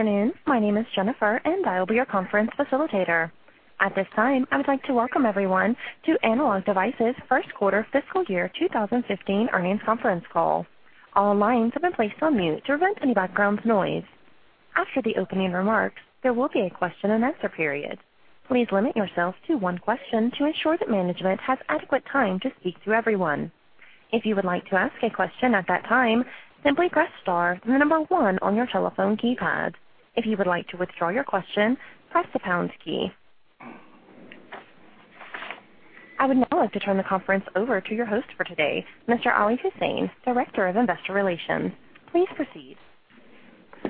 Good afternoon. My name is Jennifer, and I will be your conference facilitator. At this time, I would like to welcome everyone to Analog Devices' first quarter fiscal year 2015 earnings conference call. All lines have been placed on mute to prevent any background noise. After the opening remarks, there will be a question-and-answer period. Please limit yourselves to one question to ensure that management has adequate time to speak to everyone. If you would like to ask a question at that time, simply press star then the number 1 on your telephone keypad. If you would like to withdraw your question, press the pound key. I would now like to turn the conference over to your host for today, Mr. Ali Husain, Director of Investor Relations. Please proceed.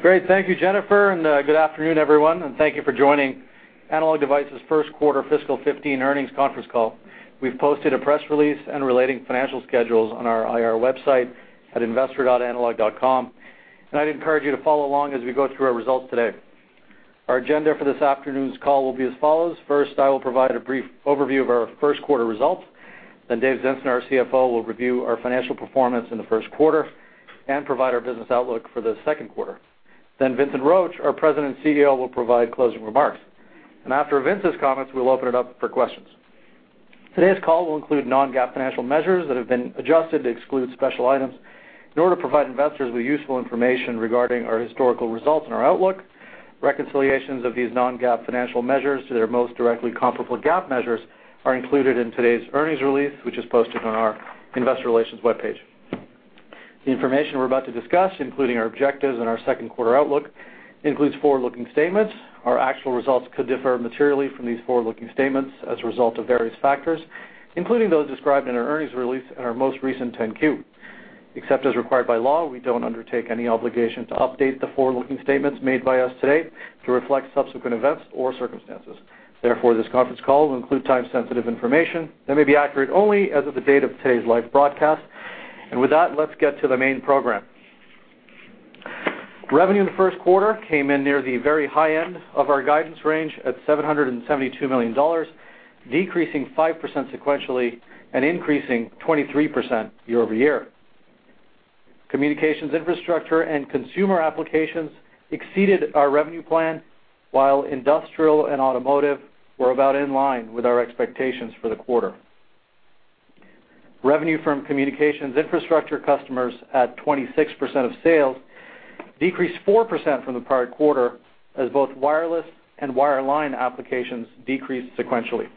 Great. Thank you, Jennifer. Good afternoon, everyone, and thank you for joining Analog Devices' first quarter fiscal 2015 earnings conference call. We've posted a press release and relating financial schedules on our IR website at investor.analog.com. I'd encourage you to follow along as we go through our results today. Our agenda for this afternoon's call will be as follows. First, I will provide a brief overview of our first quarter results. Dave Zinsner, our CFO, will review our financial performance in the first quarter and provide our business outlook for the second quarter. Vincent Roche, our President and CEO, will provide closing remarks. After Vince's comments, we'll open it up for questions. Today's call will include non-GAAP financial measures that have been adjusted to exclude special items in order to provide investors with useful information regarding our historical results and our outlook. Reconciliations of these non-GAAP financial measures to their most directly comparable GAAP measures are included in today's earnings release, which is posted on our investor relations webpage. The information we're about to discuss, including our objectives and our second quarter outlook, includes forward-looking statements. Our actual results could differ materially from these forward-looking statements as a result of various factors, including those described in our earnings release and our most recent 10-Q. Except as required by law, we don't undertake any obligation to update the forward-looking statements made by us today to reflect subsequent events or circumstances. Therefore, this conference call will include time-sensitive information that may be accurate only as of the date of today's live broadcast. With that, let's get to the main program. Revenue in the first quarter came in near the very high end of our guidance range at $772 million, decreasing 5% sequentially and increasing 23% year-over-year. Communications infrastructure and consumer applications exceeded our revenue plan, while industrial and automotive were about in line with our expectations for the quarter. Revenue from communications infrastructure customers at 26% of sales decreased 4% from the prior quarter, as both wireless and wireline applications decreased sequentially.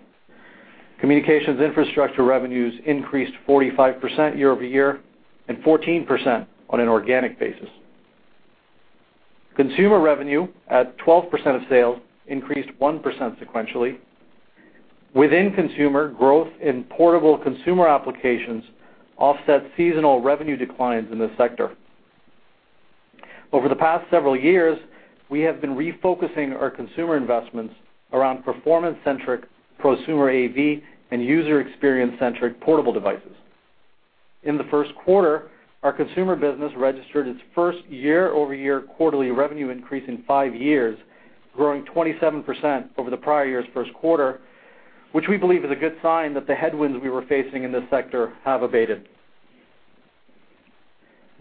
Communications infrastructure revenues increased 45% year-over-year and 14% on an organic basis. Consumer revenue at 12% of sales increased 1% sequentially. Within consumer, growth in portable consumer applications offset seasonal revenue declines in this sector. Over the past several years, we have been refocusing our consumer investments around performance-centric prosumer AV and user experience-centric portable devices. In the first quarter, our consumer business registered its first year-over-year quarterly revenue increase in five years, growing 27% over the prior year's first quarter, which we believe is a good sign that the headwinds we were facing in this sector have abated.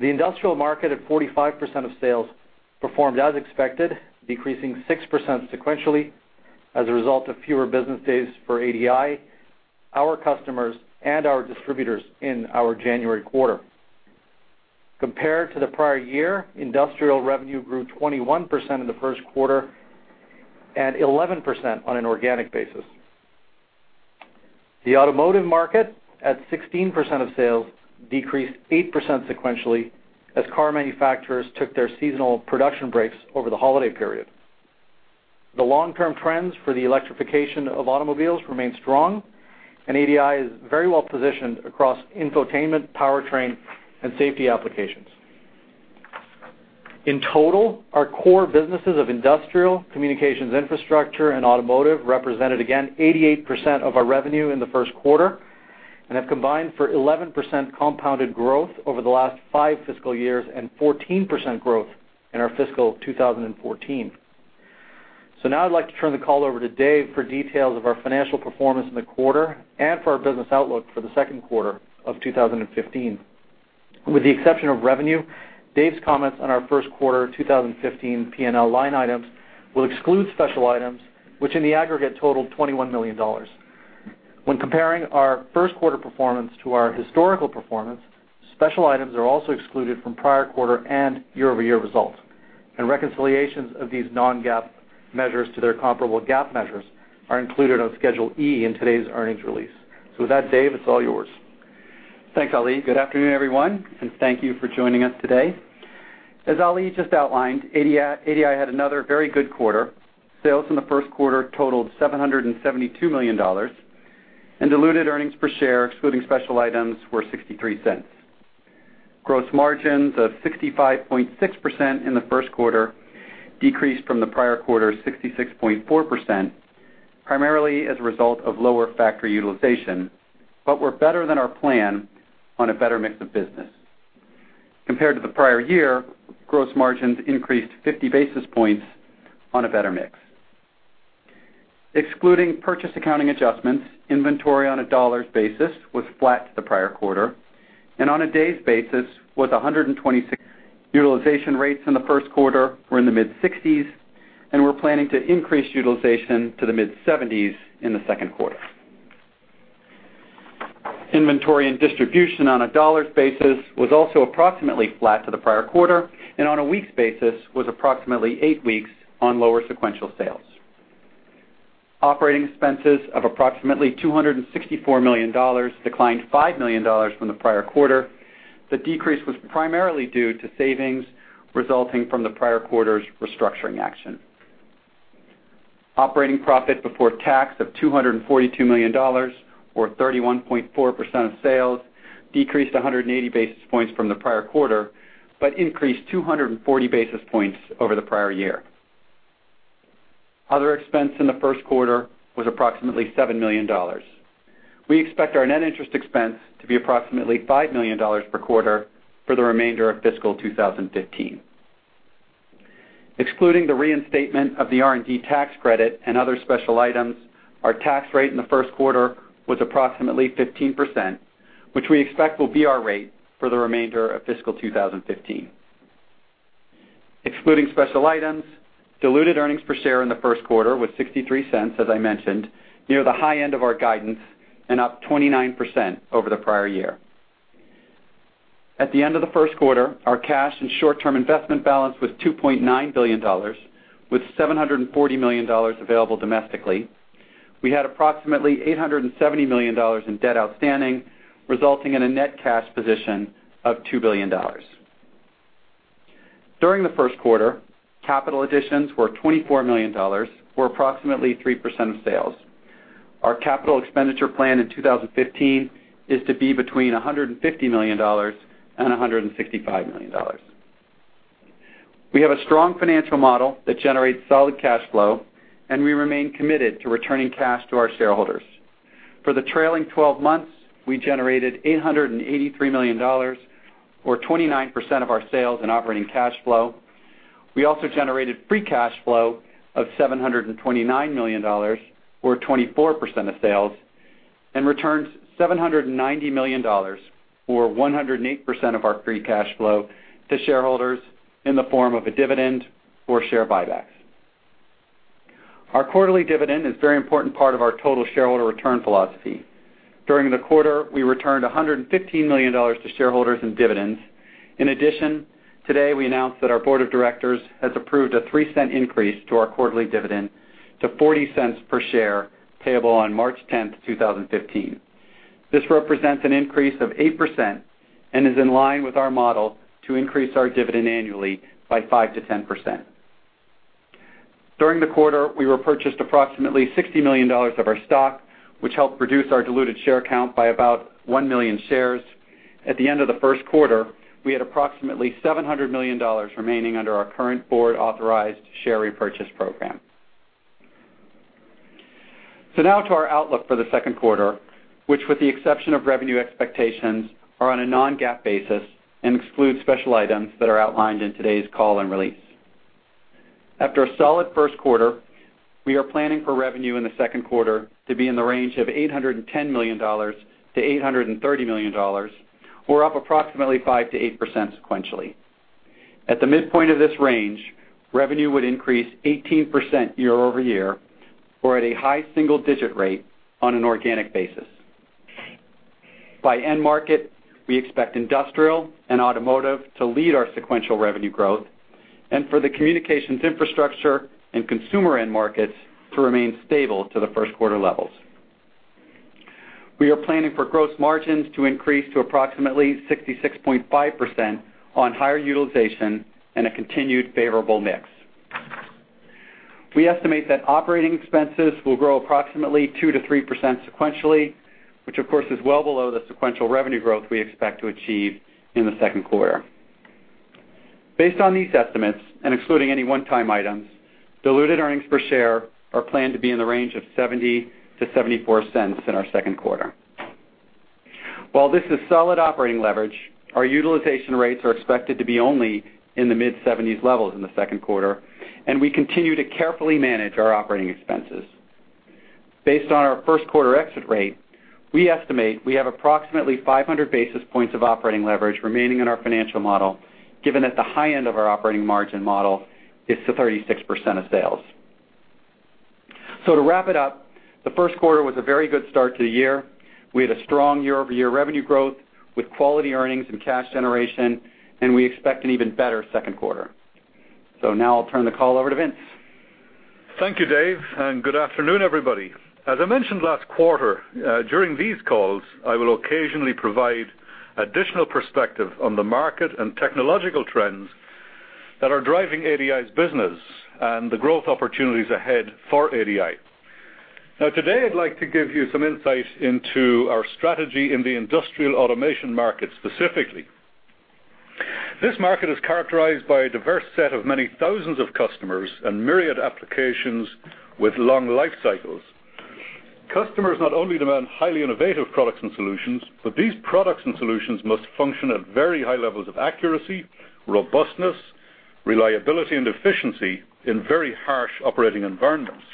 The industrial market at 45% of sales performed as expected, decreasing 6% sequentially as a result of fewer business days for ADI, our customers, and our distributors in our January quarter. Compared to the prior year, industrial revenue grew 21% in the first quarter and 11% on an organic basis. The automotive market at 16% of sales decreased 8% sequentially as car manufacturers took their seasonal production breaks over the holiday period. The long-term trends for the electrification of automobiles remain strong, and ADI is very well-positioned across infotainment, powertrain, and safety applications. In total, our core businesses of industrial, communications infrastructure, and automotive represented again 88% of our revenue in the first quarter and have combined for 11% compounded growth over the last five fiscal years and 14% growth in our fiscal 2014. Now I'd like to turn the call over to Dave for details of our financial performance in the quarter and for our business outlook for the second quarter of 2015. With the exception of revenue, Dave's comments on our first quarter 2015 P&L line items will exclude special items, which in the aggregate totaled $21 million. When comparing our first quarter performance to our historical performance, special items are also excluded from prior quarter and year-over-year results. Reconciliations of these non-GAAP measures to their comparable GAAP measures are included on Schedule E in today's earnings release. With that, Dave, it's all yours. Thanks, Ali. Good afternoon, everyone, and thank you for joining us today. As Ali just outlined, ADI had another very good quarter. Sales in the first quarter totaled $772 million, and diluted earnings per share, excluding special items, were $0.63. Gross margins of 65.6% in the first quarter decreased from the prior quarter's 66.4%, primarily as a result of lower factory utilization, but were better than our plan on a better mix of business. Compared to the prior year, gross margins increased 50 basis points on a better mix. Excluding purchase accounting adjustments, inventory on a dollars basis was flat to the prior quarter, and on a days basis was 126. Utilization rates in the first quarter were in the mid-60s, and we're planning to increase utilization to the mid-70s in the second quarter. Inventory and distribution on a dollars basis was also approximately flat to the prior quarter, and on a weeks basis was approximately eight weeks on lower sequential sales. Operating expenses of approximately $264 million, declined $5 million from the prior quarter. The decrease was primarily due to savings resulting from the prior quarter's restructuring action. Operating profit before tax of $242 million, or 31.4% of sales, decreased 180 basis points from the prior quarter, but increased 240 basis points over the prior year. Other expense in the first quarter was approximately $7 million. We expect our net interest expense to be approximately $5 million per quarter for the remainder of fiscal 2015. Excluding the reinstatement of the R&D tax credit and other special items, our tax rate in the first quarter was approximately 15%, which we expect will be our rate for the remainder of fiscal 2015. Excluding special items, diluted earnings per share in the first quarter was $0.63, as I mentioned, near the high end of our guidance and up 29% over the prior year. At the end of the first quarter, our cash and short-term investment balance was $2.9 billion, with $740 million available domestically. We had approximately $870 million in debt outstanding, resulting in a net cash position of $2 billion. During the first quarter, capital additions were $24 million, or approximately 3% of sales. Our capital expenditure plan in 2015 is to be between $150 million and $165 million. We have a strong financial model that generates solid cash flow, and we remain committed to returning cash to our shareholders. For the trailing 12 months, we generated $883 million, or 29% of our sales in operating cash flow. We also generated free cash flow of $729 million, or 24% of sales, and returned $790 million, or 108% of our free cash flow, to shareholders in the form of a dividend or share buybacks. Our quarterly dividend is a very important part of our total shareholder return philosophy. During the quarter, we returned $115 million to shareholders in dividends. In addition, today, we announced that our board of directors has approved a $0.03 increase to our quarterly dividend to $0.40 per share, payable on March 10, 2015. This represents an increase of 8% and is in line with our model to increase our dividend annually by 5%-10%. During the quarter, we repurchased approximately $60 million of our stock, which helped reduce our diluted share count by about 1 million shares. Now to our outlook for the second quarter, which with the exception of revenue expectations, are on a non-GAAP basis and exclude special items that are outlined in today's call and release. After a solid first quarter, we are planning for revenue in the second quarter to be in the range of $810 million-$830 million, or up approximately 5%-8% sequentially. At the midpoint of this range, revenue would increase 18% year-over-year or at a high single-digit rate on an organic basis. By end market, we expect industrial and automotive to lead our sequential revenue growth and for the communications infrastructure and consumer end markets to remain stable to the first quarter levels. We are planning for gross margins to increase to approximately 66.5% on higher utilization and a continued favorable mix. We estimate that operating expenses will grow approximately 2%-3% sequentially, which of course is well below the sequential revenue growth we expect to achieve in the second quarter. Based on these estimates, and excluding any one-time items, diluted earnings per share are planned to be in the range of $0.70-$0.74 in our second quarter. While this is solid operating leverage, our utilization rates are expected to be only in the mid-70s levels in the second quarter, and we continue to carefully manage our operating expenses. Based on our first quarter exit rate, we estimate we have approximately 500 basis points of operating leverage remaining in our financial model, given that the high end of our operating margin model is to 36% of sales. To wrap it up, the first quarter was a very good start to the year. We had a strong year-over-year revenue growth with quality earnings and cash generation, and we expect an even better second quarter. Now I'll turn the call over to Vince. Thank you, Dave, and good afternoon, everybody. As I mentioned last quarter, during these calls, I will occasionally provide additional perspective on the market and technological trends that are driving ADI's business and the growth opportunities ahead for ADI. Today, I'd like to give you some insight into our strategy in the industrial automation market specifically. This market is characterized by a diverse set of many thousands of customers and myriad applications with long life cycles. Customers not only demand highly innovative products and solutions, but these products and solutions must function at very high levels of accuracy, robustness, reliability, and efficiency in very harsh operating environments.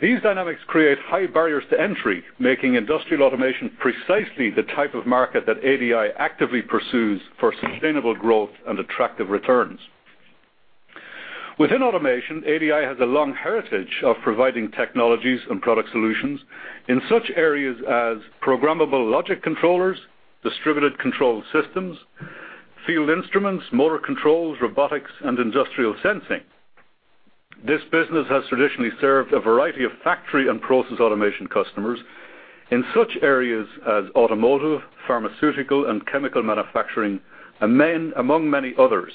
These dynamics create high barriers to entry, making industrial automation precisely the type of market that ADI actively pursues for sustainable growth and attractive returns. Within automation, ADI has a long heritage of providing technologies and product solutions in such areas as programmable logic controllers, distributed control systems, field instruments, motor controls, robotics, and industrial sensing. This business has traditionally served a variety of factory and process automation customers in such areas as automotive, pharmaceutical, and chemical manufacturing, among many others.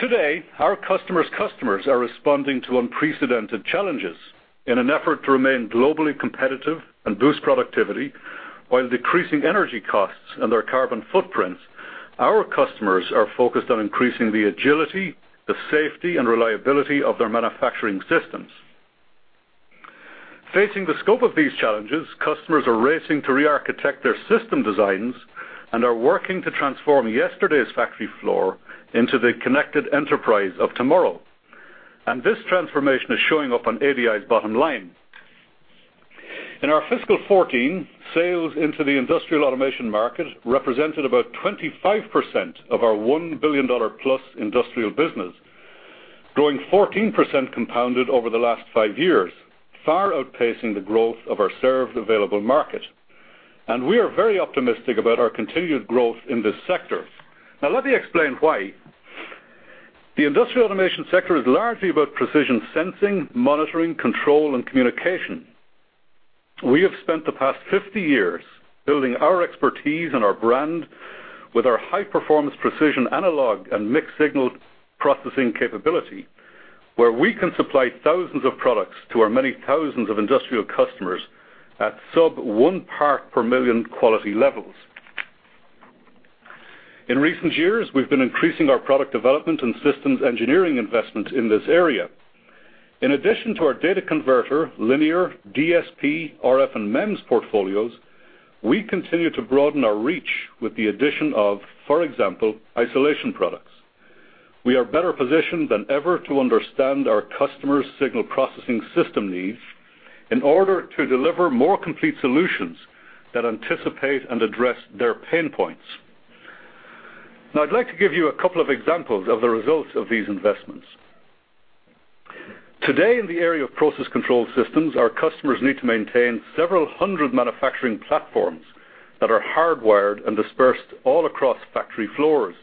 Today, our customers' customers are responding to unprecedented challenges in an effort to remain globally competitive and boost productivity while decreasing energy costs and their carbon footprints. Our customers are focused on increasing the agility, the safety, and reliability of their manufacturing systems. Facing the scope of these challenges, customers are racing to re-architect their system designs and are working to transform yesterday's factory floor into the connected enterprise of tomorrow. This transformation is showing up on ADI's bottom line. In our fiscal 2014, sales into the industrial automation market represented about 25% of our $1 billion-plus industrial business, growing 14% compounded over the last five years, far outpacing the growth of our served available market. We are very optimistic about our continued growth in this sector. Let me explain why. The industrial automation sector is largely about precision sensing, monitoring, control, and communication. We have spent the past 50 years building our expertise and our brand with our high-performance precision analog and mixed signal processing capability, where we can supply thousands of products to our many thousands of industrial customers at sub one part per million quality levels. In recent years, we've been increasing our product development and systems engineering investment in this area. In addition to our data converter, linear, DSP, RF, and MEMS portfolios, we continue to broaden our reach with the addition of, for example, isolation products. We are better positioned than ever to understand our customers' signal processing system needs in order to deliver more complete solutions that anticipate and address their pain points. I'd like to give you a couple of examples of the results of these investments. Today, in the area of process control systems, our customers need to maintain several hundred manufacturing platforms that are hardwired and dispersed all across factory floors.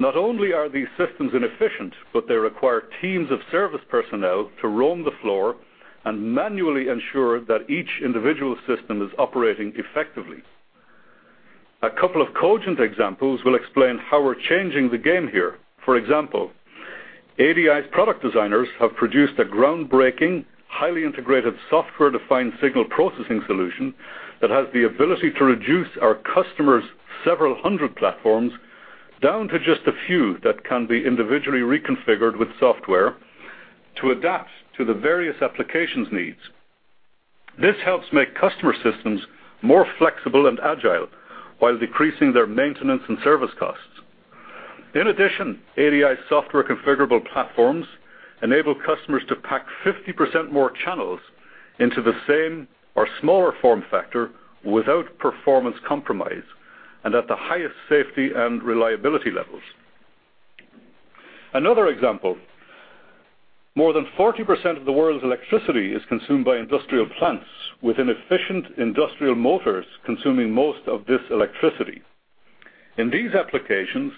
Not only are these systems inefficient, but they require teams of service personnel to roam the floor and manually ensure that each individual system is operating effectively. A couple of cogent examples will explain how we're changing the game here. For example, ADI's product designers have produced a groundbreaking, highly integrated software-defined signal processing solution that has the ability to reduce our customers' several hundred platforms down to just a few that can be individually reconfigured with software to adapt to the various applications' needs. This helps make customer systems more flexible and agile while decreasing their maintenance and service costs. In addition, ADI's software configurable platforms enable customers to pack 50% more channels into the same or smaller form factor without performance compromise and at the highest safety and reliability levels. Another example, more than 40% of the world's electricity is consumed by industrial plants, with inefficient industrial motors consuming most of this electricity. In these applications,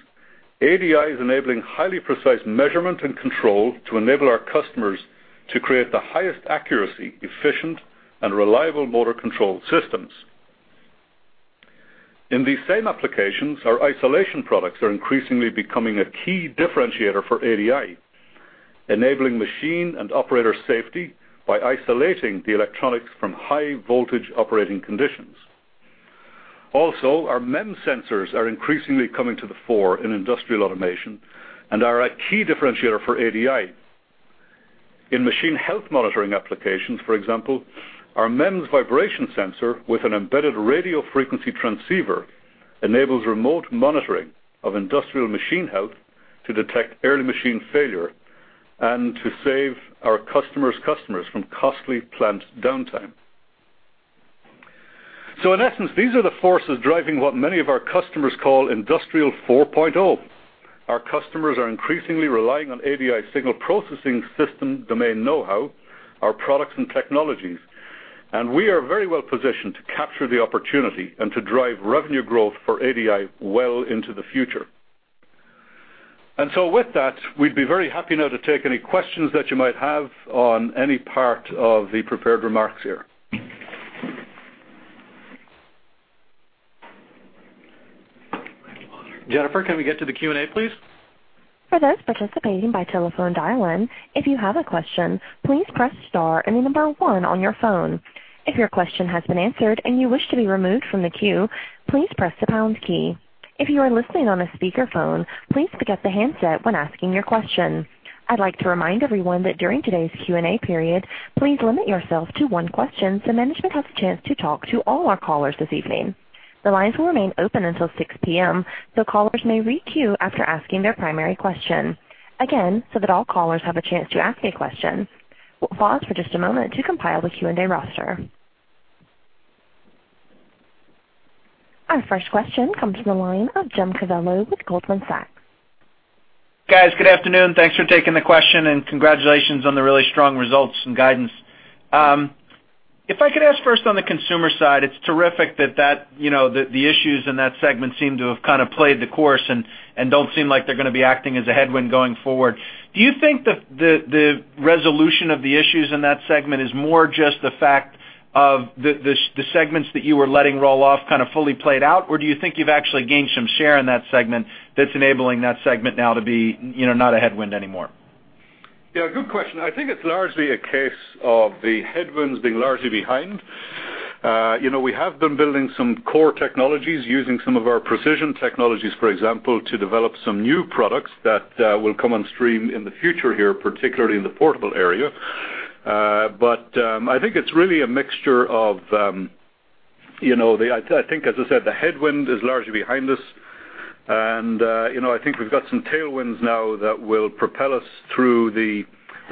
ADI is enabling highly precise measurement and control to enable our customers to create the highest accuracy, efficient, and reliable motor control systems. In these same applications, our isolation products are increasingly becoming a key differentiator for ADI, enabling machine and operator safety by isolating the electronics from high voltage operating conditions. Also, our MEMS sensors are increasingly coming to the fore in industrial automation and are a key differentiator for ADI. In machine health monitoring applications, for example, our MEMS vibration sensor with an embedded radio frequency transceiver enables remote monitoring of industrial machine health to detect early machine failure and to save our customers' customers from costly plant downtime. In essence, these are the forces driving what many of our customers call Industry 4.0. Our customers are increasingly relying on ADI signal processing system domain know-how, our products and technologies, and we are very well positioned to capture the opportunity and to drive revenue growth for ADI well into the future. With that, we'd be very happy now to take any questions that you might have on any part of the prepared remarks here. Jennifer, can we get to the Q&A, please? For those participating by telephone dial-in, if you have a question, please press star and the number 1 on your phone. If your question has been answered and you wish to be removed from the queue, please press the pound key. If you are listening on a speakerphone, please pick up the handset when asking your question. I'd like to remind everyone that during today's Q&A period, please limit yourself to 1 question so management has a chance to talk to all our callers this evening. The lines will remain open until 6:00 P.M., so callers may re-queue after asking their primary question. Again, that all callers have a chance to ask a question. We'll pause for just a moment to compile the Q&A roster. Our first question comes from the line of James Covello with Goldman Sachs. Guys, good afternoon. Congratulations on the really strong results and guidance. If I could ask first on the consumer side, it's terrific that the issues in that segment seem to have kind of played the course and don't seem like they're going to be acting as a headwind going forward. Do you think the resolution of the issues in that segment is more just the fact of the segments that you were letting roll off kind of fully played out, or do you think you've actually gained some share in that segment that's enabling that segment now to be not a headwind anymore? Yeah, good question. I think it's largely a case of the headwinds being largely behind. We have been building some core technologies using some of our precision technologies, for example, to develop some new products that will come on stream in the future here, particularly in the portable area. I think it's really a mixture of, I think as I said, the headwind is largely behind us. I think we've got some tailwinds now that will propel us through the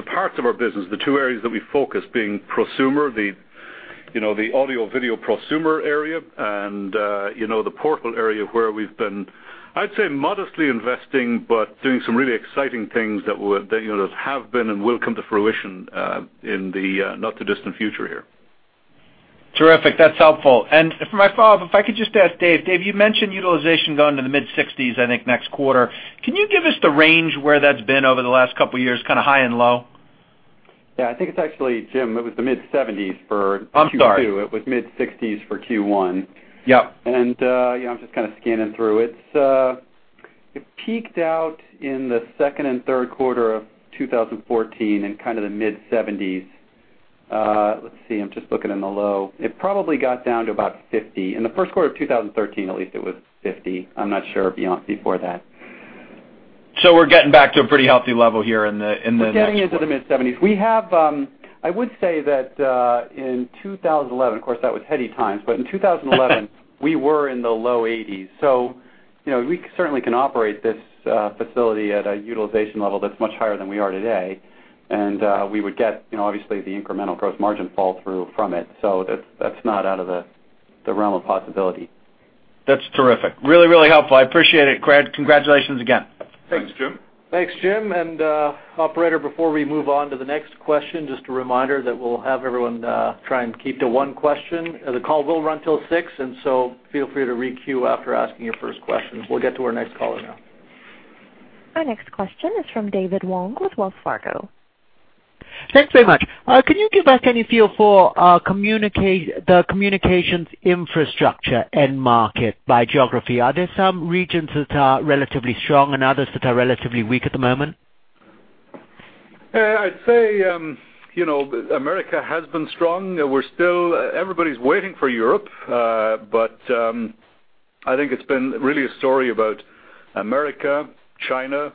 parts of our business, the 2 areas that we focus being prosumer, the audio-video prosumer area, and the portable area where we've been, I'd say, modestly investing, but doing some really exciting things that have been and will come to fruition in the not too distant future here. Terrific. That's helpful. For my follow-up, if I could just ask Dave. Dave, you mentioned utilization going to the mid-60s, I think, next quarter. Can you give us the range where that's been over the last couple of years, kind of high and low? Yeah, I think it's actually, Jim, it was the mid-70s for Q2. I'm sorry. It was mid-60s for Q1. Yep. yeah, I'm just kind of scanning through. It peaked out in the second and third quarter of 2014 in kind of the mid-70s. Let's see, I'm just looking in the low. It probably got down to about 50. In the first quarter of 2013, at least it was 50. I'm not sure beyond before that. We're getting back to a pretty healthy level here in the next quarter. We're getting into the mid-70s. I would say that in 2011, of course, that was heady times, but in 2011, we were in the low 80s. We certainly can operate this facility at a utilization level that's much higher than we are today, and we would get obviously the incremental gross margin fall through from it. That's not out of the realm of possibility. That's terrific. Really helpful. I appreciate it. Congratulations again. Thanks, Jim. Thanks, Jim. Operator, before we move on to the next question, just a reminder that we'll have everyone try and keep to one question. The call will run till 6:00, so feel free to re-queue after asking your first question. We'll get to our next caller now. Our next question is from David Wong with Wells Fargo. Thanks very much. Can you give us any feel for the communications infrastructure end market by geography? Are there some regions that are relatively strong and others that are relatively weak at the moment? I'd say America has been strong. Everybody's waiting for Europe. I think it's been really a story about America, China,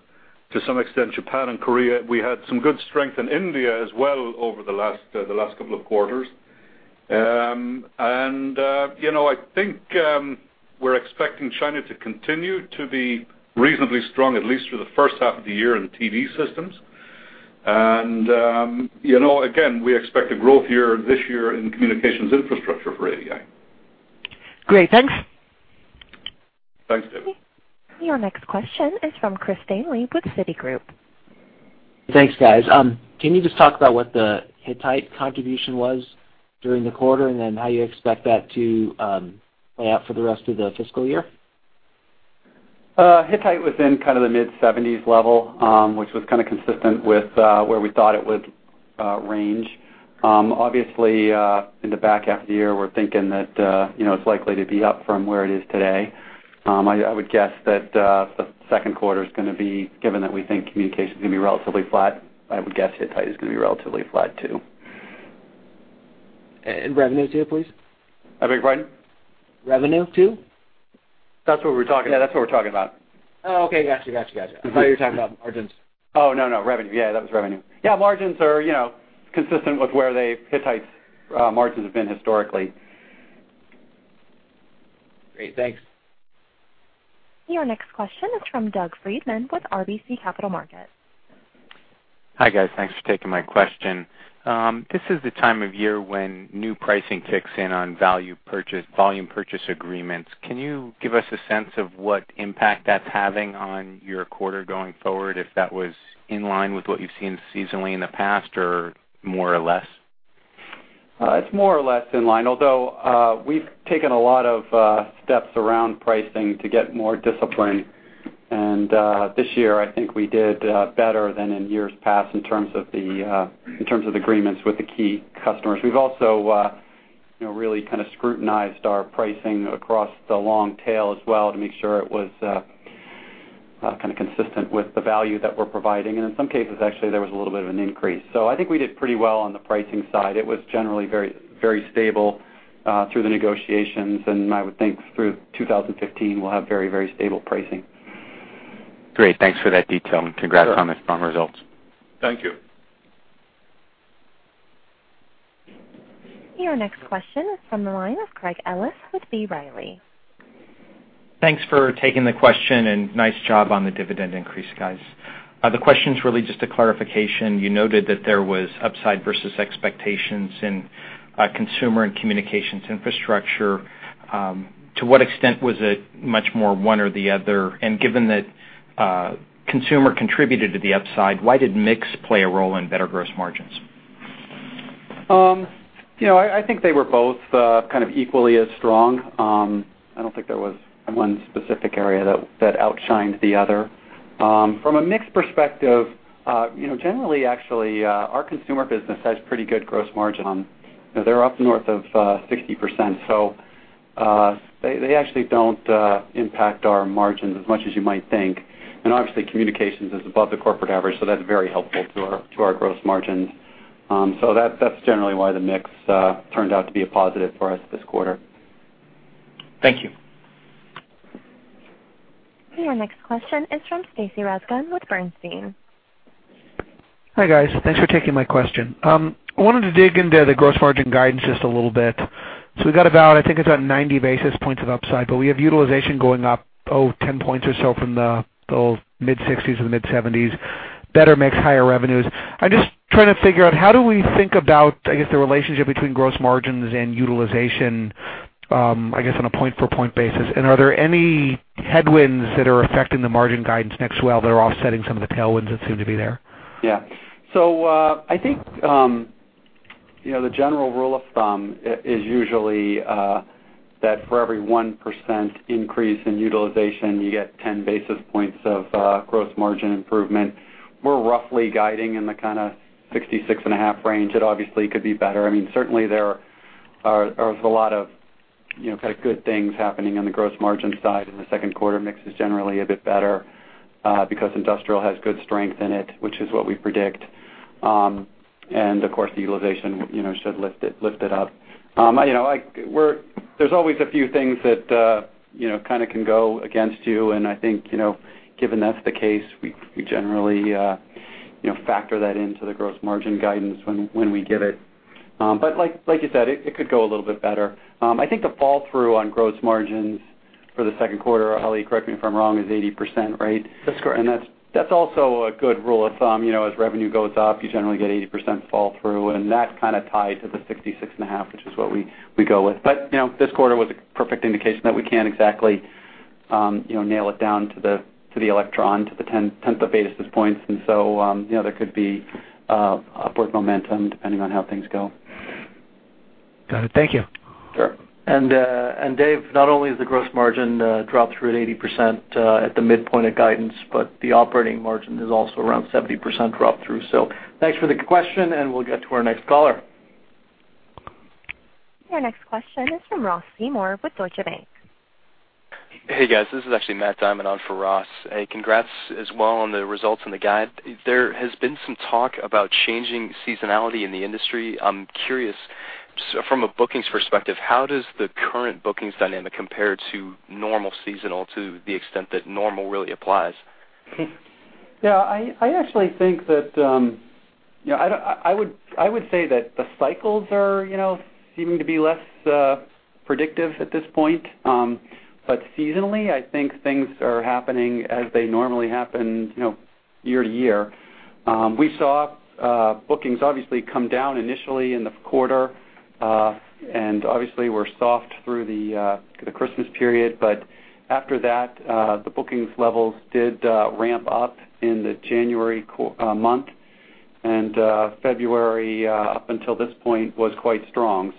to some extent Japan and Korea. We had some good strength in India as well over the last couple of quarters. I think we're expecting China to continue to be reasonably strong, at least for the first half of the year in TD systems. Again, we expect a growth year this year in communications infrastructure for ADI. Great. Thanks. Thanks, David. Your next question is from Christopher Danely with Citigroup. Thanks, guys. Can you just talk about what the Hittite contribution was during the quarter, and then how you expect that to play out for the rest of the fiscal year? Hittite was in kind of the mid-70s level, which was kind of consistent with where we thought it would range. Obviously, in the back half of the year, we're thinking that it's likely to be up from where it is today. I would guess that the second quarter is going to be, given that we think communications is going to be relatively flat, I would guess Hittite is going to be relatively flat, too. Revenue too, please? I beg your pardon? Revenue, too? That's what we're talking about. Oh, okay. Got you. I thought you were talking about margins. Oh, no. Revenue. Yeah, that was revenue. Yeah, margins are consistent with where Hittite's margins have been historically. Great. Thanks. Your next question is from Doug Freedman with RBC Capital Markets. Hi, guys. Thanks for taking my question. This is the time of year when new pricing kicks in on volume purchase agreements. Can you give us a sense of what impact that's having on your quarter going forward, if that was in line with what you've seen seasonally in the past, or more or less? It's more or less in line, although we've taken a lot of steps around pricing to get more discipline. This year, I think we did better than in years past in terms of the agreements with the key customers. We've also really kind of scrutinized our pricing across the long tail as well to make sure it was kind of consistent with the value that we're providing, and in some cases, actually, there was a little bit of an increase. I think we did pretty well on the pricing side. It was generally very stable through the negotiations, and I would think through 2015 we'll have very stable pricing. Great. Thanks for that detail. Congrats on the strong results. Thank you. Your next question is from the line of Craig Ellis with B. Riley. Thanks for taking the question. Nice job on the dividend increase, guys. The question's really just a clarification. You noted that there was upside versus expectations in consumer and communications infrastructure. To what extent was it much more one or the other? Given that consumer contributed to the upside, why did mix play a role in better gross margins? I think they were both kind of equally as strong. I don't think there was one specific area that outshined the other. From a mix perspective, generally actually, our consumer business has pretty good gross margin. They're up north of 60%, so they actually don't impact our margins as much as you might think. Obviously, communications is above the corporate average, so that's very helpful to our gross margins. That's generally why the mix turned out to be a positive for us this quarter. Thank you. Your next question is from Stacy Rasgon with Bernstein. Hi, guys. Thanks for taking my question. I wanted to dig into the gross margin guidance just a little bit. We've got about, I think it's about 90 basis points of upside, but we have utilization going up, 10 points or so from the mid-60s or the mid-70s, better mix, higher revenues. I'm just trying to figure out, how do we think about, I guess, the relationship between gross margins and utilization, I guess, on a point-for-point basis? Are there any headwinds that are affecting the margin guidance next, while they're offsetting some of the tailwinds that seem to be there? Yeah. I think, the general rule of thumb is usually that for every 1% increase in utilization, you get 10 basis points of gross margin improvement. We're roughly guiding in the kind of 66.5% range. It obviously could be better. Certainly there's a lot of kind of good things happening on the gross margin side in the second quarter. Mix is generally a bit better because industrial has good strength in it, which is what we predict. Of course, the utilization should lift it up. There's always a few things that kind of can go against you, and I think, given that's the case, we generally factor that into the gross margin guidance when we give it. Like you said, it could go a little bit better. I think the fall-through on gross margins for the second quarter, Ali, correct me if I'm wrong, is 80%, right? That's correct. That's also a good rule of thumb. As revenue goes up, you generally get 80% fall-through, and that kind of ties to the 66.5%, which is what we go with. This quarter was a perfect indication that we can't exactly nail it down to the electron, to the 10th of basis points. There could be upward momentum depending on how things go. Got it. Thank you. Sure. Dave, not only has the gross margin dropped through at 80% at the midpoint of guidance, but the operating margin is also around 70% drop-through. Thanks for the question, and we'll get to our next caller. Your next question is from Ross Seymore with Deutsche Bank. Hey, guys. This is actually Matt Diamond on for Ross. Hey, congrats as well on the results and the guide. There has been some talk about changing seasonality in the industry. I'm curious, from a bookings perspective, how does the current bookings dynamic compare to normal seasonal to the extent that normal really applies? I would say that the cycles are seeming to be less predictive at this point. Seasonally, I think things are happening as they normally happen year to year. We saw bookings obviously come down initially in the quarter, and obviously we're soft through the Christmas period. After that, the bookings levels did ramp up in the January month, and February up until this point was quite strong.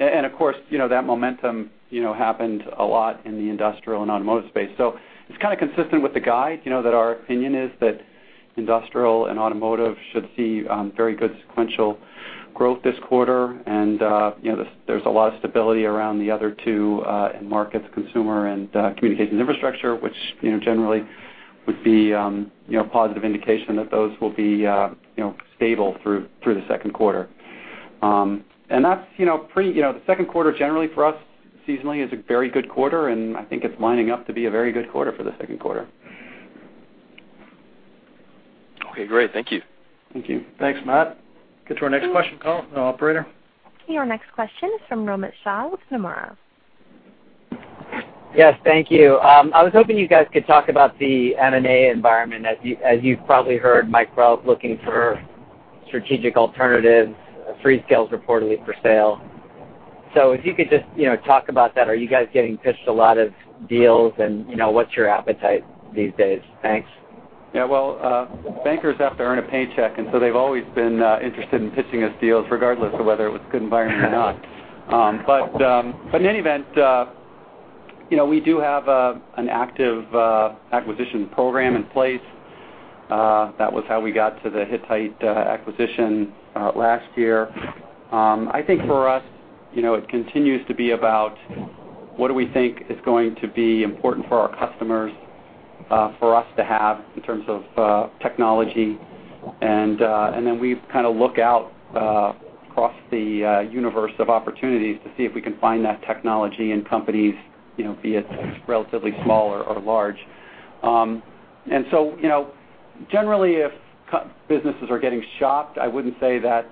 Of course, that momentum happened a lot in the industrial and automotive space. It's kind of consistent with the guide, that our opinion is that industrial and automotive should see very good sequential growth this quarter. There's a lot of stability around the other two end markets, consumer and communications infrastructure, which generally would be a positive indication that those will be stable through the second quarter. The second quarter generally for us seasonally is a very good quarter, and I think it's lining up to be a very good quarter for the second quarter. Okay, great. Thank you. Thank you. Thanks, Matt. Get to our next question caller, operator. Your next question is from Romit Shah with Nomura. Yes. Thank you. I was hoping you guys could talk about the M&A environment. As you've probably heard, Micrel looking for strategic alternatives, Freescale's reportedly for sale. If you could just talk about that. Are you guys getting pitched a lot of deals, and what's your appetite these days? Thanks. Yeah, well, bankers have to earn a paycheck, they've always been interested in pitching us deals regardless of whether it was a good environment or not. In any event, we do have an active acquisition program in place. That was how we got to the Hittite acquisition last year. I think for us, it continues to be about what we think is going to be important for our customers, for us to have in terms of technology. We look out across the universe of opportunities to see if we can find that technology in companies, be it relatively small or large. Generally if businesses are getting shopped, I wouldn't say that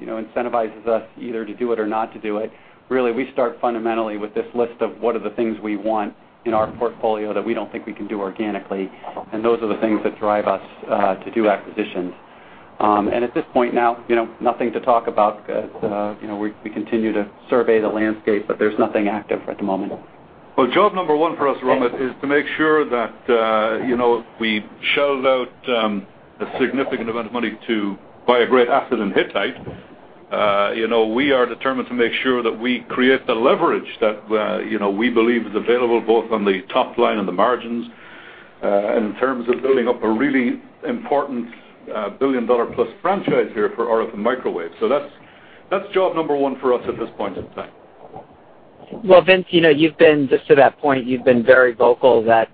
incentivizes us either to do it or not to do it. We start fundamentally with this list of what are the things we want in our portfolio that we don't think we can do organically, those are the things that drive us to do acquisitions. At this point now, nothing to talk about. We continue to survey the landscape, there's nothing active at the moment. Well, job number one for us, Romit, is to make sure that we shelled out a significant amount of money to buy a great asset in Hittite. We are determined to make sure that we create the leverage that we believe is available both on the top line and the margins, in terms of building up a really important billion-dollar plus franchise here for RF and microwave. That's job number one for us at this point in time. Well, Vince, just to that point, you've been very vocal that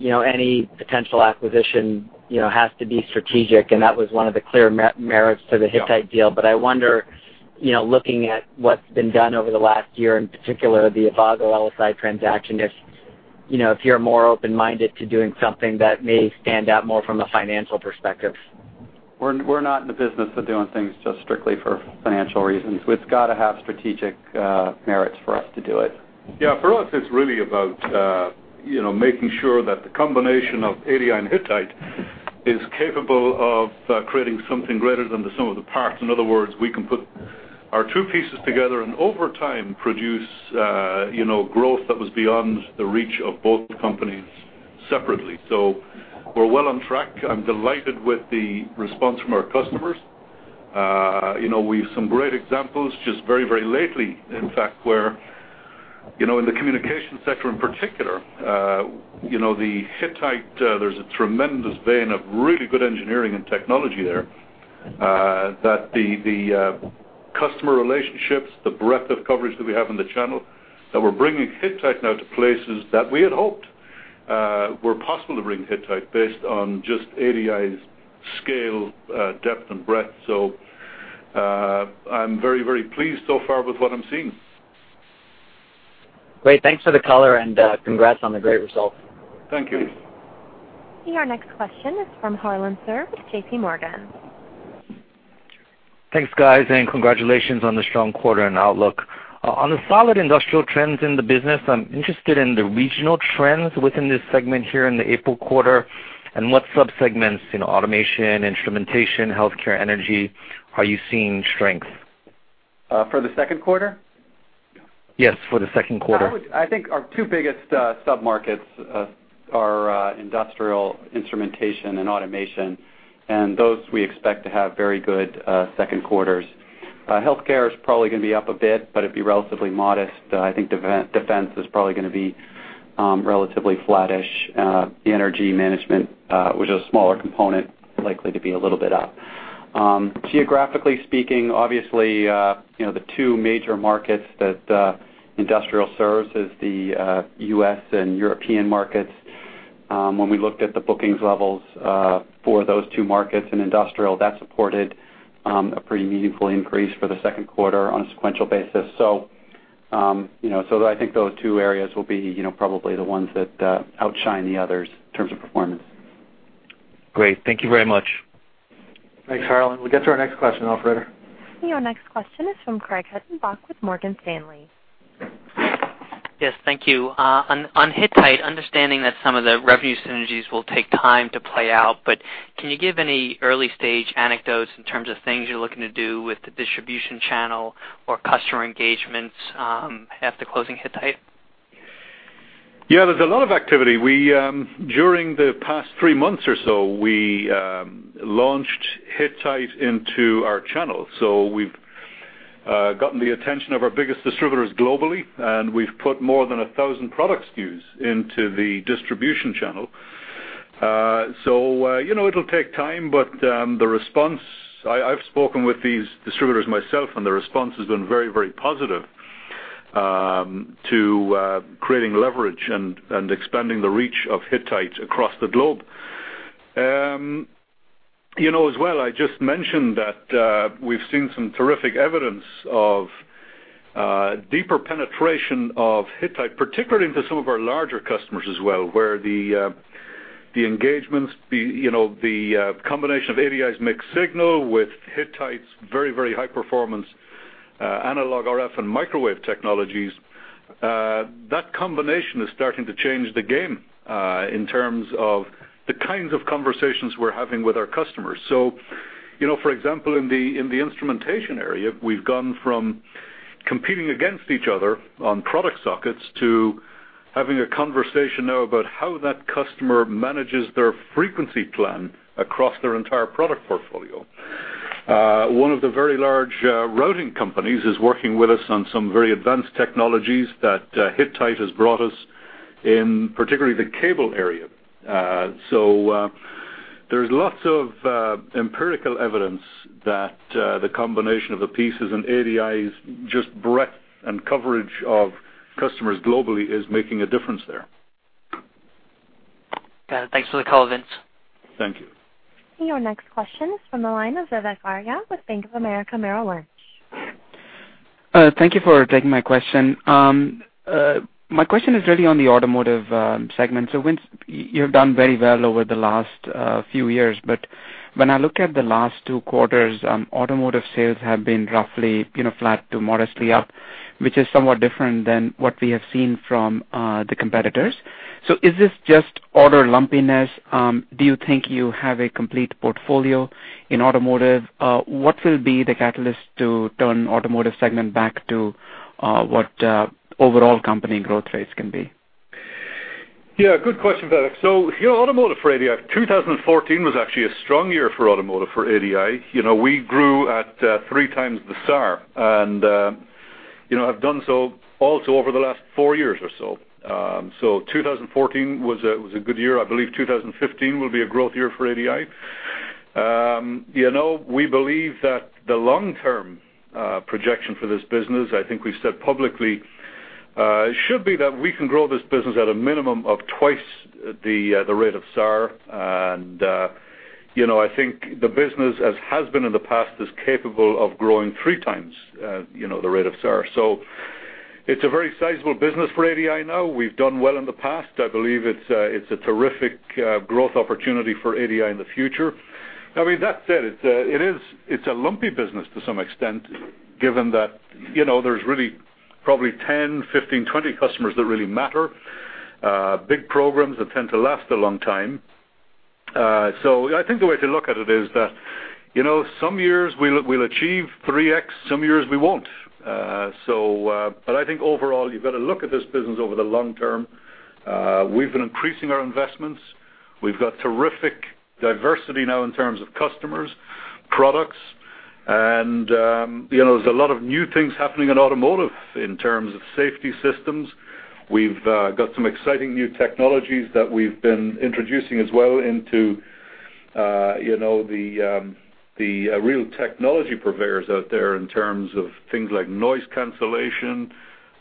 any potential acquisition has to be strategic, that was one of the clear merits to the Hittite deal. I wonder, looking at what's been done over the last year, in particular the Avago LSI transaction, if you're more open-minded to doing something that may stand out more from a financial perspective. We're not in the business of doing things just strictly for financial reasons. It's got to have strategic merits for us to do it. For us, it's really about making sure that the combination of ADI and Hittite is capable of creating something greater than the sum of the parts. In other words, we can put our two pieces together and over time produce growth that was beyond the reach of both companies separately. We're well on track. I'm delighted with the response from our customers. We've some great examples, just very lately, in fact, where in the communication sector in particular, the Hittite, there's a tremendous vein of really good engineering and technology there. That the customer relationships, the breadth of coverage that we have in the channel, that we're bringing Hittite now to places that we had hoped were possible to bring Hittite based on just ADI's scale, depth, and breadth. I'm very pleased so far with what I'm seeing. Great. Thanks for the color, congrats on the great results. Thank you. Your next question is from Harlan Sur with JP Morgan. Thanks, guys. Congratulations on the strong quarter and outlook. On the solid industrial trends in the business, I'm interested in the regional trends within this segment here in the April quarter. What sub-segments, automation, instrumentation, healthcare, energy, are you seeing strength? For the second quarter? Yes, for the second quarter. I think our two biggest sub-markets are industrial instrumentation and automation. Those we expect to have very good second quarters. Healthcare is probably going to be up a bit, but it'd be relatively modest. I think defense is probably going to be relatively flattish. Energy management, which is a smaller component, likely to be a little bit up. Geographically speaking, obviously, the two major markets that industrial services, the U.S. and European markets, when we looked at the bookings levels, for those two markets in industrial, that supported a pretty meaningful increase for the second quarter on a sequential basis. I think those two areas will be probably the ones that outshine the others in terms of performance. Great. Thank you very much. Thanks, Harlan. We'll get to our next question operator. Your next question is from Craig Hettenbach with Morgan Stanley. Yes, thank you. On Hittite, understanding that some of the revenue synergies will take time to play out, but can you give any early-stage anecdotes in terms of things you're looking to do with the distribution channel or customer engagements after closing Hittite? Yeah, there's a lot of activity. During the past three months or so, we launched Hittite into our channel. We've gotten the attention of our biggest distributors globally, and we've put more than 1,000 product SKUs into the distribution channel. It'll take time, but the response, I've spoken with these distributors myself, and the response has been very positive to creating leverage and expanding the reach of Hittite across the globe. As well, I just mentioned that we've seen some terrific evidence of deeper penetration of Hittite, particularly into some of our larger customers as well, where the engagements, the combination of ADI's mixed signal with Hittite's very high-performance analog RF and microwave technologies. That combination is starting to change the game, in terms of the kinds of conversations we're having with our customers. For example, in the instrumentation area, we've gone from competing against each other on product sockets to having a conversation now about how that customer manages their frequency plan across their entire product portfolio. One of the very large routing companies is working with us on some very advanced technologies that Hittite has brought us in, particularly the cable area. There's lots of empirical evidence that the combination of the pieces and ADI's just breadth and coverage of customers globally is making a difference there. Got it. Thanks for the call, Vince. Thank you. Your next question is from the line of Vivek Arya with Bank of America Merrill Lynch. Thank you for taking my question. My question is really on the automotive segment. Vince, you have done very well over the last two years, but when I look at the last two quarters, automotive sales have been roughly flat to modestly up, which is somewhat different than what we have seen from the competitors. Is this just order lumpiness? Do you think you have a complete portfolio in automotive? What will be the catalyst to turn automotive segment back to what overall company growth rates can be? Good question, Vivek. Automotive for ADI, 2014 was actually a strong year for automotive for ADI. We grew at three times the SAAR, and have done so also over the last four years or so. 2014 was a good year. I believe 2015 will be a growth year for ADI. We believe that the long-term projection for this business, I think we've said publicly, should be that we can grow this business at a minimum of twice the rate of SAAR. I think the business, as has been in the past, is capable of growing three times the rate of SAAR. It's a very sizable business for ADI now. We've done well in the past. I believe it's a terrific growth opportunity for ADI in the future. That said, it's a lumpy business to some extent, given that there's really probably 10, 15, 20 customers that really matter. Big programs that tend to last a long time. I think the way to look at it is that some years we'll achieve 3x, some years we won't. I think overall, you've got to look at this business over the long term. We've been increasing our investments. We've got terrific diversity now in terms of customers, products, and there's a lot of new things happening in automotive in terms of safety systems. We've got some exciting new technologies that we've been introducing as well into the real technology purveyors out there in terms of things like noise cancellation,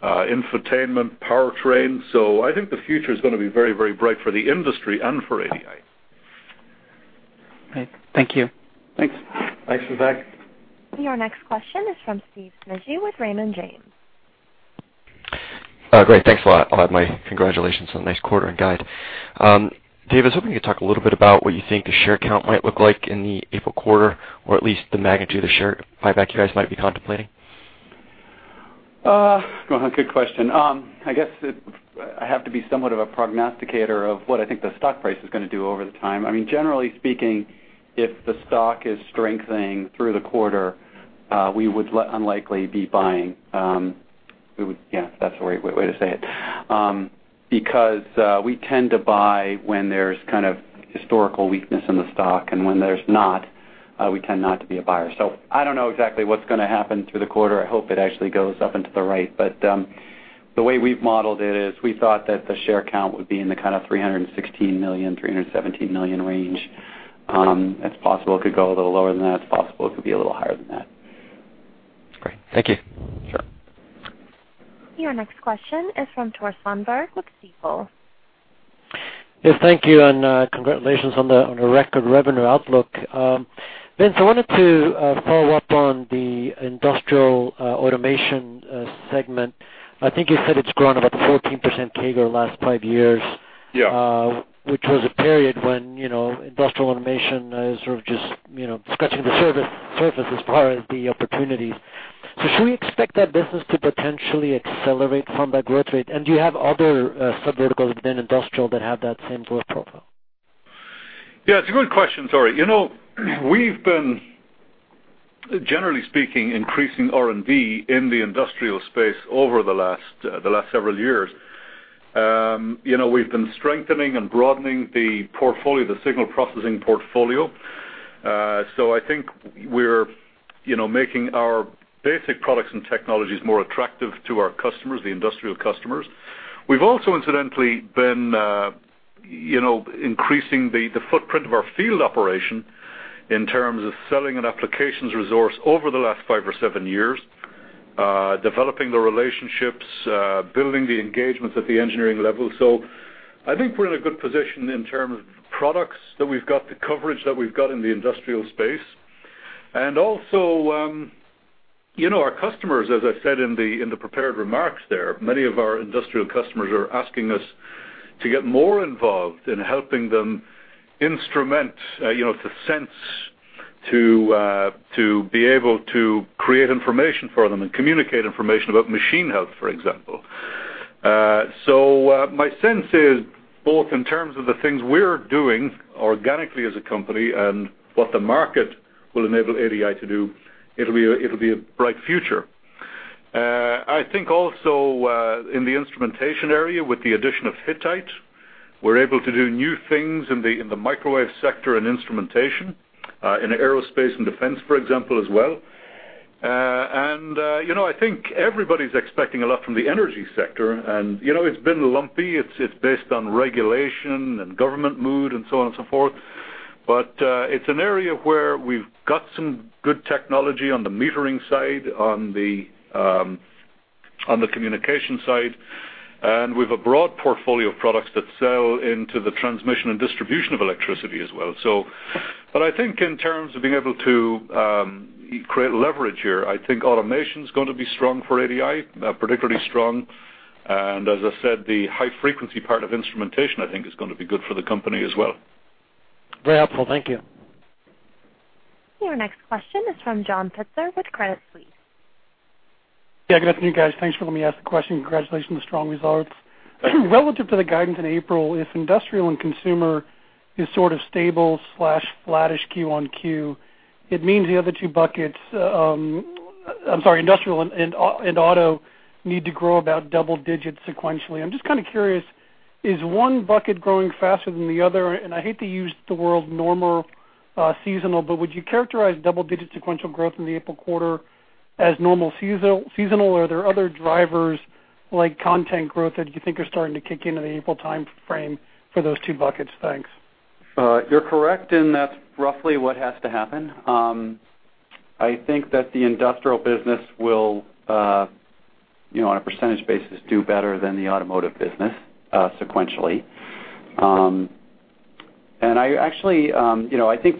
infotainment, powertrain. I think the future's going to be very, very bright for the industry and for ADI. Right. Thank you. Thanks. Thanks, Vivek. Your next question is from Steven Smigie with Raymond James. Great. Thanks a lot. I'll have my congratulations on a nice quarter and guide. Dave, I was hoping you could talk a little bit about what you think the share count might look like in the April quarter, or at least the magnitude of share buyback you guys might be contemplating. Well, good question. I guess I have to be somewhat of a prognosticator of what I think the stock price is going to do over the time. I mean, generally speaking, if the stock is strengthening through the quarter, we would unlikely be buying. Yeah, that's the right way to say it. We tend to buy when there's kind of historical weakness in the stock, and when there's not, we tend not to be a buyer. I don't know exactly what's going to happen through the quarter. I hope it actually goes up into the right, the way we've modeled it is we thought that the share count would be in the kind of $316 million, $317 million range. It's possible it could go a little lower than that. It's possible it could be a little higher than that. Great. Thank you. Sure. Your next question is from Tore Svanberg with Stifel. Yes, thank you, congratulations on the record revenue outlook. Vince, I wanted to follow up on the industrial automation segment. I think you said it's grown about 14% CAGR last five years. Yeah. Which was a period when industrial automation is sort of just scratching the surface as far as the opportunities. Should we expect that business to potentially accelerate from that growth rate? Do you have other subverticals within industrial that have that same growth profile? Yeah, it's a good question, Tore. We've been, generally speaking, increasing R&D in the industrial space over the last several years. We've been strengthening and broadening the portfolio, the signal processing portfolio. I think we're making our basic products and technologies more attractive to our customers, the industrial customers. We've also incidentally been increasing the footprint of our field operation in terms of selling and applications resource over the last five or seven years, developing the relationships, building the engagements at the engineering level. I think we're in a good position in terms of products that we've got, the coverage that we've got in the industrial space. Also, our customers, as I said in the prepared remarks there, many of our industrial customers are asking us to get more involved in helping them instrument, to sense, to be able to create information for them and communicate information about machine health, for example. My sense is both in terms of the things we're doing organically as a company and what the market will enable ADI to do, it'll be a bright future I think also in the instrumentation area, with the addition of Hittite, we're able to do new things in the microwave sector and instrumentation, in aerospace and defense, for example, as well. I think everybody's expecting a lot from the energy sector, and it's been lumpy. It's based on regulation and government mood and so on and so forth. It's an area where we've got some good technology on the metering side, on the communication side, and we've a broad portfolio of products that sell into the transmission and distribution of electricity as well. I think in terms of being able to create leverage here, I think automation's going to be strong for ADI, particularly strong. As I said, the high-frequency part of instrumentation, I think, is going to be good for the company as well. Very helpful. Thank you. Your next question is from John Pitzer with Credit Suisse. Yeah, good afternoon, guys. Thanks for letting me ask the question. Congratulations on the strong results. Relative to the guidance in April, if industrial and consumer is sort of stable/flattish Q1-Q, it means the other two buckets, I'm sorry, industrial and auto need to grow about double-digits sequentially. I'm just kind of curious, is one bucket growing faster than the other? I hate to use the word normal, seasonal, but would you characterize double-digit sequential growth in the April quarter as normal seasonal? Or are there other drivers like content growth that you think are starting to kick in the April timeframe for those two buckets? Thanks. You're correct, that's roughly what has to happen. I think that the industrial business will, on a percentage basis, do better than the automotive business sequentially. I actually, I think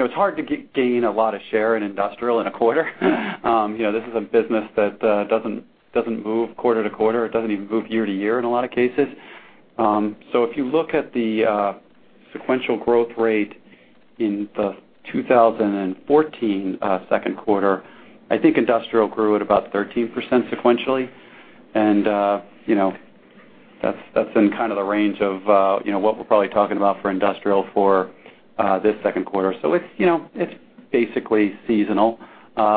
it's hard to gain a lot of share in industrial in a quarter. This is a business that doesn't move quarter-to-quarter. It doesn't even move year-to-year in a lot of cases. If you look at the sequential growth rate in the 2014 second quarter, I think industrial grew at about 13% sequentially. That's in kind of the range of what we're probably talking about for industrial for this second quarter. It's basically seasonal.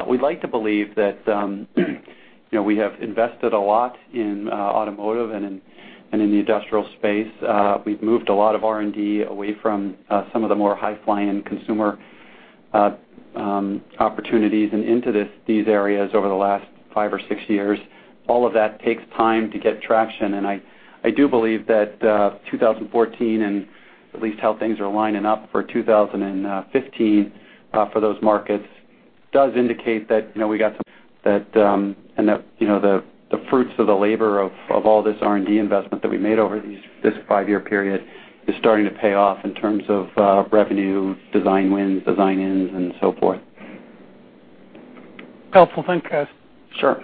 We'd like to believe that we have invested a lot in automotive and in the industrial space. We've moved a lot of R&D away from some of the more high-flying consumer opportunities and into these areas over the last five or six years. All of that takes time to get traction. I do believe that 2014 and at least how things are lining up for 2015 for those markets does indicate that we got some, and that the fruits of the labor of all this R&D investment that we made over this five-year period is starting to pay off in terms of revenue, design wins, design-ins, and so forth. Helpful. Thanks, guys. Sure.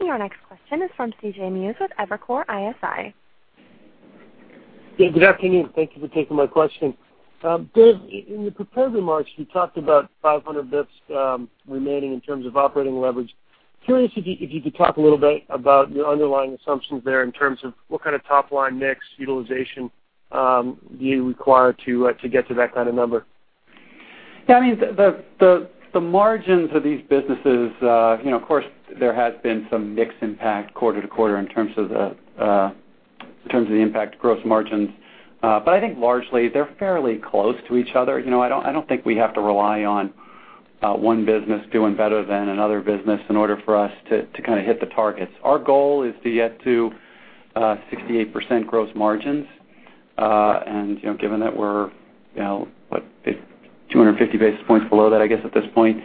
Your next question is from CJ Muse with Evercore ISI. Yeah, good afternoon. Thank you for taking my question. Dave, in the prepared remarks, you talked about 500 basis points remaining in terms of operating leverage. Curious if you could talk a little bit about your underlying assumptions there in terms of what kind of top-line mix utilization do you require to get to that kind of number? Yeah, the margins of these businesses, of course, there has been some mix impact quarter to quarter in terms of the impact to gross margins. I think largely, they're fairly close to each other. I don't think we have to rely on one business doing better than another business in order for us to kind of hit the targets. Our goal is to get to 68% gross margins. Given that we're, what, 250 basis points below that, I guess, at this point,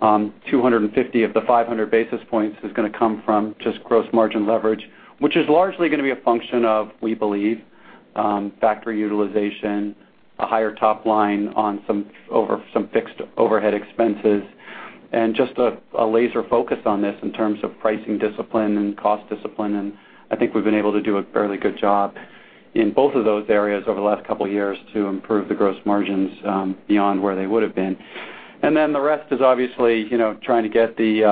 250 of the 500 basis points is going to come from just gross margin leverage, which is largely going to be a function of, we believe, factory utilization, a higher top line on some fixed overhead expenses, and just a laser focus on this in terms of pricing discipline and cost discipline. I think we've been able to do a fairly good job in both of those areas over the last couple of years to improve the gross margins beyond where they would have been. The rest is obviously trying to get the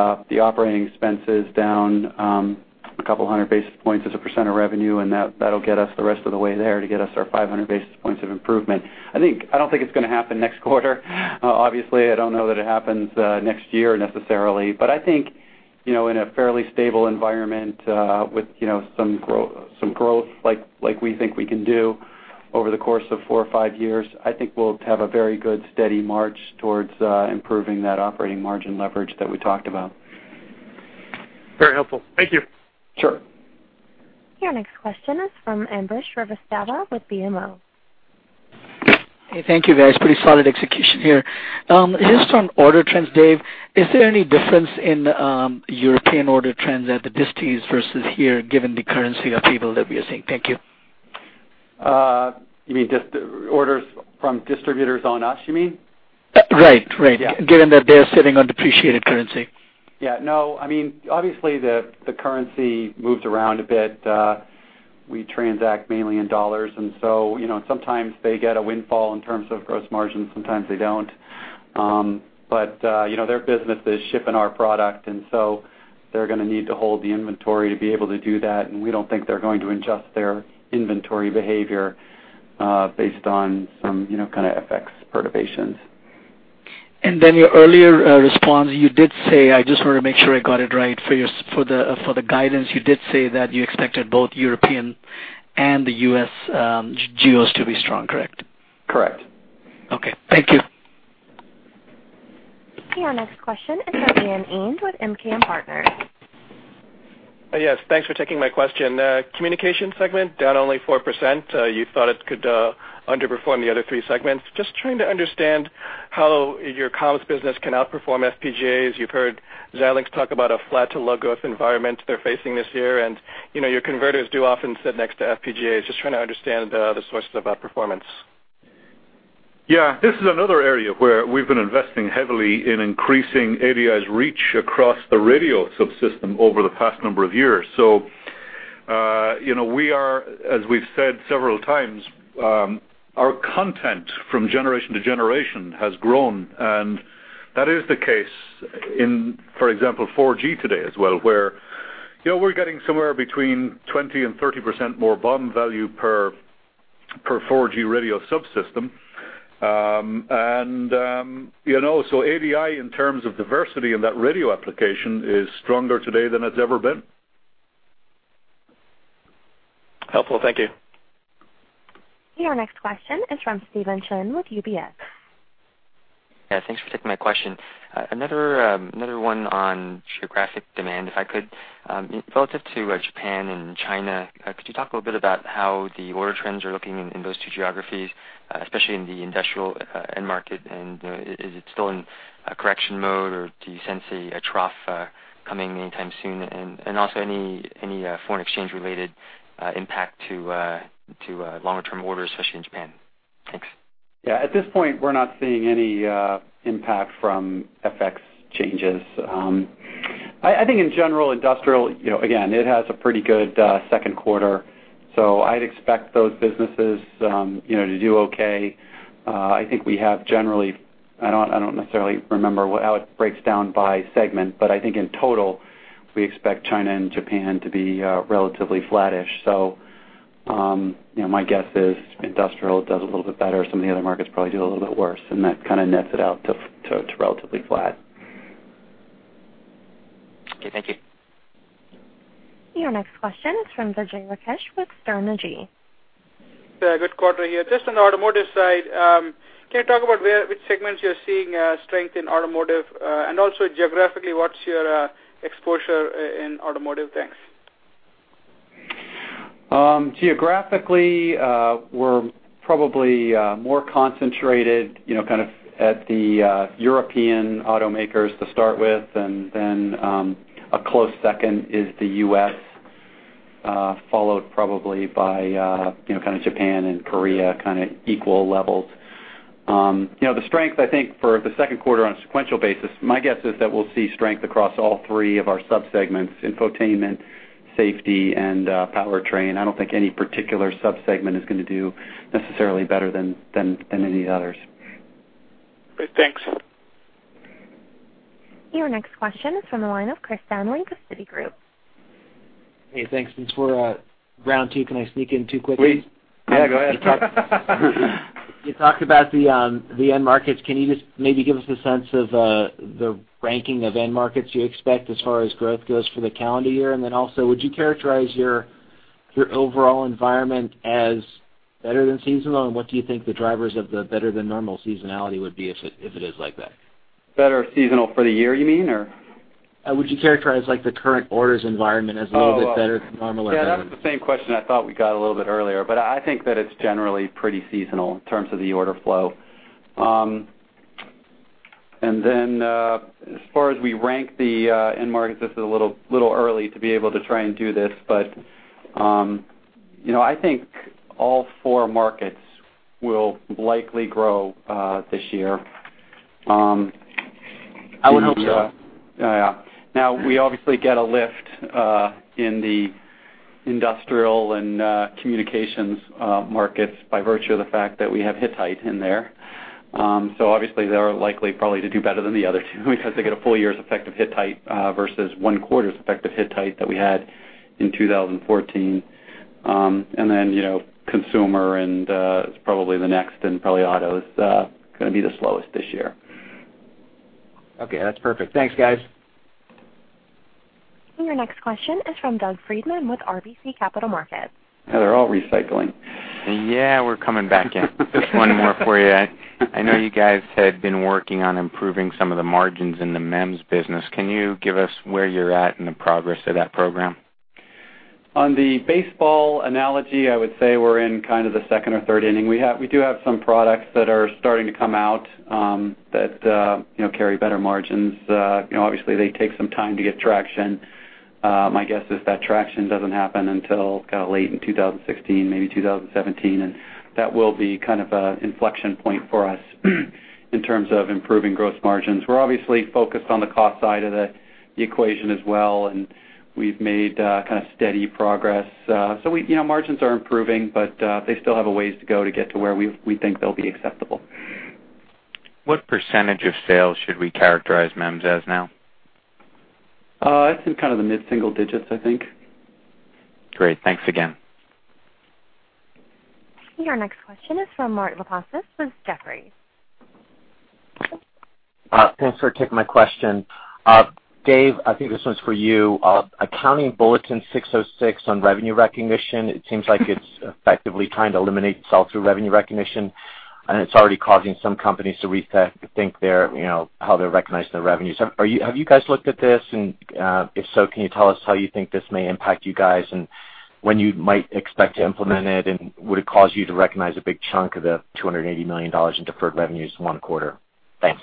operating expenses down a couple of hundred basis points as a % of revenue, and that'll get us the rest of the way there to get us our 500 basis points of improvement. I don't think it's going to happen next quarter. Obviously, I don't know that it happens next year necessarily. I think, in a fairly stable environment, with some growth like we think we can do over the course of four or five years, I think we'll have a very good, steady march towards improving that operating margin leverage that we talked about. Very helpful. Thank you. Sure. Your next question is from Ambrish Srivastava with BMO. Hey, thank you, guys. Pretty solid execution here. Just on order trends, Dave, is there any difference in European order trends at the distis versus here, given the currency upheaval that we are seeing? Thank you. You mean just the orders from distributors on us, you mean? Right. Yeah. Given that they're sitting on depreciated currency. Yeah. Obviously, the currency moves around a bit. We transact mainly in dollars, and so sometimes they get a windfall in terms of gross margin, sometimes they don't. Their business is shipping our product, and so they're going to need to hold the inventory to be able to do that, and we don't think they're going to adjust their inventory behavior. Based on some kind of FX perturbations. Your earlier response, you did say, I just want to make sure I got it right, for the guidance, you did say that you expected both European and the U.S. geos to be strong, correct? Correct. Okay. Thank you. Okay, our next question is from Ian Ing with MKM Partners. Yes, thanks for taking my question. Communication segment down only 4%. You thought it could underperform the other three segments. Just trying to understand how your comms business can outperform FPGAs. You've heard Xilinx talk about a flat to low growth environment they're facing this year, and your converters do often sit next to FPGAs. Just trying to understand the sources of outperformance. Yeah. This is another area where we've been investing heavily in increasing ADI's reach across the radio subsystem over the past number of years. As we've said several times, our content from generation to generation has grown, and that is the case in, for example, 4G today as well, where we're getting somewhere between 20% and 30% more BOM value per 4G radio subsystem. ADI, in terms of diversity in that radio application, is stronger today than it's ever been. Helpful. Thank you. Your next question is from Stephen Chen with UBS. Yeah, thanks for taking my question. Another one on geographic demand, if I could. Relative to Japan and China, could you talk a little bit about how the order trends are looking in those two geographies, especially in the industrial end market? Is it still in correction mode, or do you sense a trough coming anytime soon? Also any foreign exchange-related impact to longer-term orders, especially in Japan? Thanks. Yeah. At this point, we're not seeing any impact from FX changes. I think in general, industrial, again, it has a pretty good second quarter, so I'd expect those businesses to do okay. I think we have generally, I don't necessarily remember how it breaks down by segment, but I think in total, we expect China and Japan to be relatively flattish. My guess is industrial does a little bit better. Some of the other markets probably do a little bit worse, and that kind of nets it out to relatively flat. Okay, thank you. Your next question is from Vijay Rakesh with Sterne Agee. Yeah, good quarter here. Just on the automotive side, can you talk about which segments you're seeing strength in automotive, and also geographically, what's your exposure in automotive? Thanks. Geographically, we're probably more concentrated at the European automakers to start with, then a close second is the U.S., followed probably by Japan and Korea, kind of equal levels. The strength, I think, for the second quarter on a sequential basis, my guess is that we'll see strength across all three of our sub-segments: infotainment, safety, and powertrain. I don't think any particular sub-segment is going to do necessarily better than any of the others. Great. Thanks. Your next question is from the line of Chris Danely with Citigroup. Hey, thanks. Since we're round two, can I sneak in two quick ones? Please. Yeah, go ahead. You talked about the end markets. Can you just maybe give us a sense of the ranking of end markets you expect as far as growth goes for the calendar year? Then also, would you characterize your overall environment as better than seasonal? What do you think the drivers of the better than normal seasonality would be if it is like that? Better seasonal for the year, you mean? Or Would you characterize the current orders environment as a little bit better than normal or better? That was the same question I thought we got a little bit earlier, I think that it's generally pretty seasonal in terms of the order flow. As far as we rank the end markets, this is a little early to be able to try and do this, I think all four markets will likely grow this year. I would hope so. We obviously get a lift in the industrial and communications markets by virtue of the fact that we have Hittite in there. Obviously, they are likely probably to do better than the other two because they get a full year's effect of Hittite versus one quarter's effect of Hittite that we had in 2014. Consumer is probably the next, probably auto is going to be the slowest this year. That's perfect. Thanks, guys. Your next question is from Doug Freedman with RBC Capital Markets. They're all recycling. Yeah, we're coming back in. Just one more for you. I know you guys had been working on improving some of the margins in the MEMS business. Can you give us where you're at in the progress of that program? On the baseball analogy, I would say we're in kind of the second or third inning. We do have some products that are starting to come out that carry better margins. Obviously, they take some time to get traction. My guess is that traction doesn't happen until kind of late in 2016, maybe 2017, and that will be kind of an inflection point for us in terms of improving gross margins. We're obviously focused on the cost side of the equation as well, and we've made steady progress. Margins are improving, but they still have a ways to go to get to where we think they'll be acceptable. What % of sales should we characterize MEMS as now? It's in the mid-single digits, I think. Great. Thanks again. Your next question is from Mark Lipacis with Jefferies. Thanks for taking my question. Dave, I think this one's for you. Accounting bulletin 606 on revenue recognition, it seems like it's effectively trying to eliminate sell-through revenue recognition, it's already causing some companies to rethink how they recognize their revenues. Have you guys looked at this? If so, can you tell us how you think this may impact you guys, and when you might expect to implement it, and would it cause you to recognize a big chunk of the $280 million in deferred revenues in one quarter? Thanks.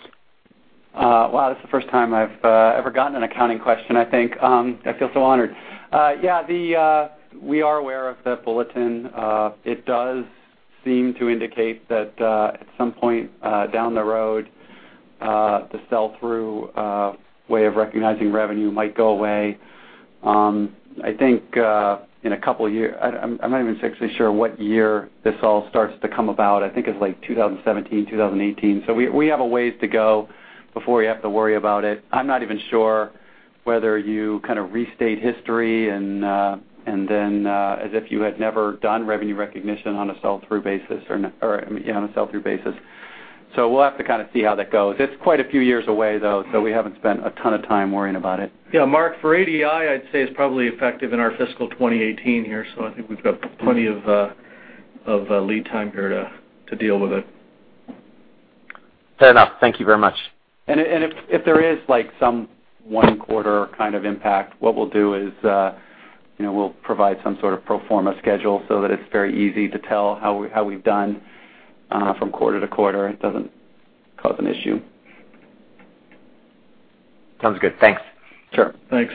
Wow, this is the first time I've ever gotten an accounting question, I think. I feel so honored. We are aware of the bulletin. It does seem to indicate that at some point down the road, the sell-through way of recognizing revenue might go away. I'm not even actually sure what year this all starts to come about. I think it's like 2017, 2018. We have a ways to go before we have to worry about it. I'm not even sure whether you restate history as if you had never done revenue recognition on a sell-through basis. We'll have to see how that goes. It's quite a few years away, though, so we haven't spent a ton of time worrying about it. Mark, for ADI, I'd say it's probably effective in our fiscal 2018 year, I think we've got plenty of lead time here to deal with it. Fair enough. Thank you very much. If there is some one quarter impact, what we'll do is we'll provide some sort of pro forma schedule so that it's very easy to tell how we've done from quarter to quarter. It doesn't cause an issue. Sounds good. Thanks. Sure. Thanks.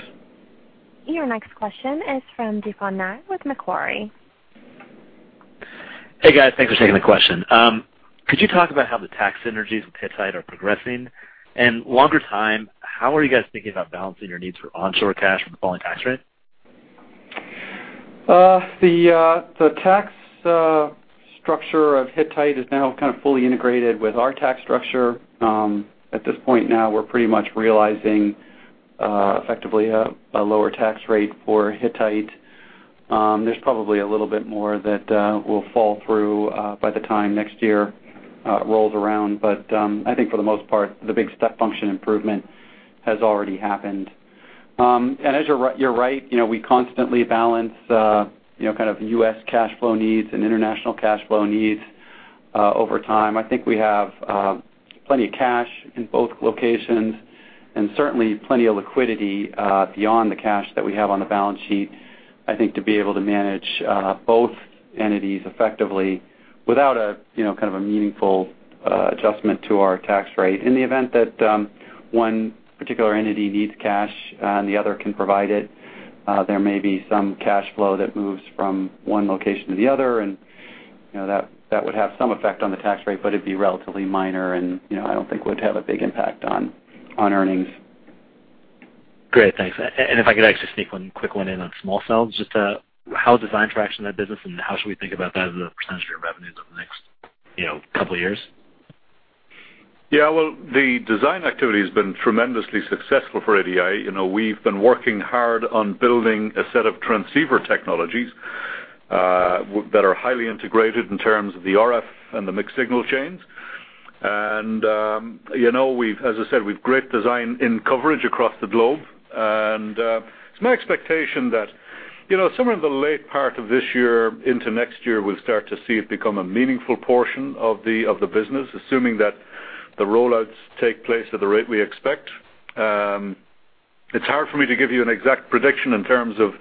Your next question is from Deepon Nair with Macquarie. Hey, guys. Thanks for taking the question. Could you talk about how the tax synergies with Hittite are progressing? Longer time, how are you guys thinking about balancing your needs for onshore cash with the falling tax rate? The tax structure of Hittite is now fully integrated with our tax structure. At this point now, we're pretty much realizing effectively a lower tax rate for Hittite. There's probably a little bit more that will fall through by the time next year rolls around, but I think for the most part, the big step function improvement has already happened. You're right, we constantly balance U.S. cash flow needs and international cash flow needs over time. I think we have plenty of cash in both locations and certainly plenty of liquidity beyond the cash that we have on the balance sheet, I think, to be able to manage both entities effectively without a meaningful adjustment to our tax rate. In the event that one particular entity needs cash and the other can provide it, there may be some cash flow that moves from one location to the other, and that would have some effect on the tax rate, but it'd be relatively minor and I don't think would have a big impact on earnings. Great. Thanks. If I could actually sneak one quick one in on small cells, just how design traction in that business, and how should we think about that as a percentage of your revenues over the next couple of years? Yeah. Well, the design activity has been tremendously successful for ADI. We've been working hard on building a set of transceiver technologies that are highly integrated in terms of the RF and the mixed signal chains. As I said, we've great design in coverage across the globe. It's my expectation that somewhere in the late part of this year into next year, we'll start to see it become a meaningful portion of the business, assuming that the rollouts take place at the rate we expect. It's hard for me to give you an exact prediction in terms of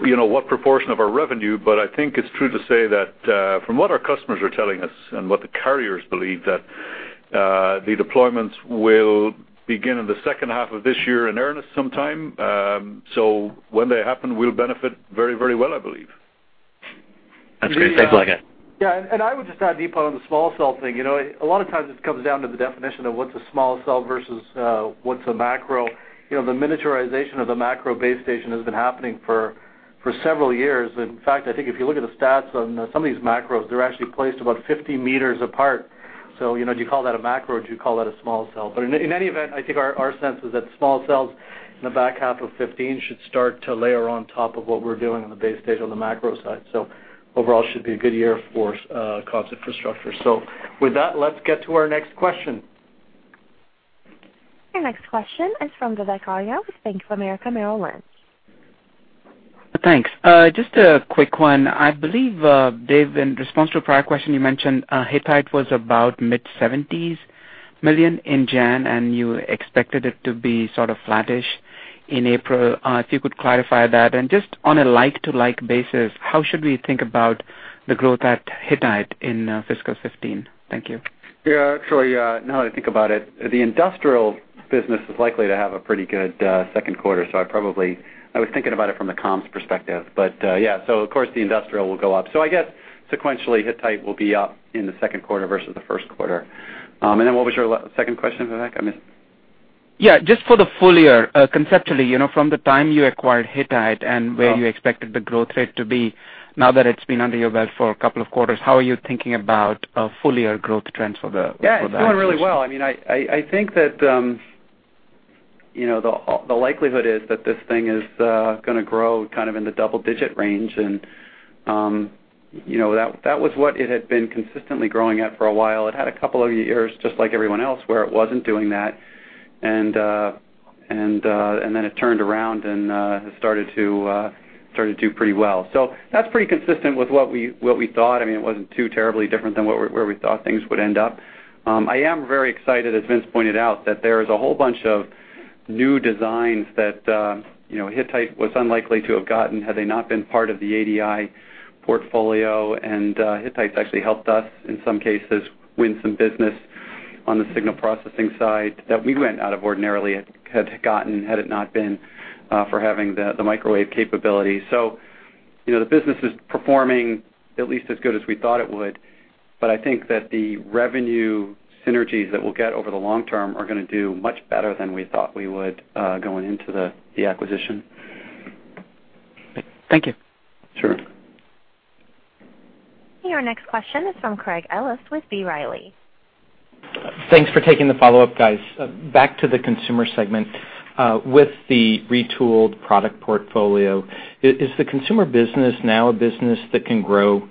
what proportion of our revenue, but I think it's true to say that from what our customers are telling us and what the carriers believe, that the deployments will begin in the second half of this year in earnest sometime. When they happen, we'll benefit very well, I believe. That's great. Thanks a lot, guys. I would just add, Deepon, on the small cell thing, a lot of times it comes down to the definition of what's a small cell versus what's a macro. The miniaturization of the macro base station has been happening for several years. In fact, I think if you look at the stats on some of these macros, they're actually placed about 50 meters apart. Do you call that a macro or do you call that a small cell? In any event, I think our sense is that small cells in the back half of 2015 should start to layer on top of what we're doing on the base station on the macro side. Overall, should be a good year for comms infrastructure. With that, let's get to our next question. Your next question is from Vivek Arya with Bank of America Merrill Lynch. Thanks. Just a quick one. I believe, Dave, in response to a prior question, you mentioned Hittite was about mid $70 million in January, and you expected it to be sort of flattish in April. If you could clarify that, and just on a like-to-like basis, how should we think about the growth at Hittite in fiscal 2015? Thank you. Yeah. Actually, now that I think about it, the industrial business is likely to have a pretty good second quarter, I was thinking about it from a comms perspective. Of course the industrial will go up. I guess sequentially, Hittite will be up in the second quarter versus the first quarter. What was your second question, Vivek? I missed. Just for the full year, conceptually, from the time you acquired Hittite and where you expected the growth rate to be, now that it's been under your belt for a couple of quarters, how are you thinking about full year growth trends for that acquisition? It's doing really well. I think the likelihood is that this thing is going to grow in the double-digit range. That was what it had been consistently growing at for a while. It had a couple of years, just like everyone else, where it wasn't doing that. It turned around and has started to do pretty well. That's pretty consistent with what we thought. It wasn't too terribly different than where we thought things would end up. I am very excited, as Vince pointed out, that there is a whole bunch of new designs that Hittite was unlikely to have gotten had they not been part of the ADI portfolio. Hittite's actually helped us, in some cases, win some business on the signal processing side that we wouldn't ordinarily had gotten, had it not been for having the microwave capability. The business is performing at least as good as we thought it would, but I think the revenue synergies that we'll get over the long term are going to do much better than we thought we would, going into the acquisition. Thank you. Sure. Your next question is from Craig Ellis with B. Riley. Thanks for taking the follow-up, guys. Back to the consumer segment. With the retooled product portfolio, is the consumer business now a business that can grow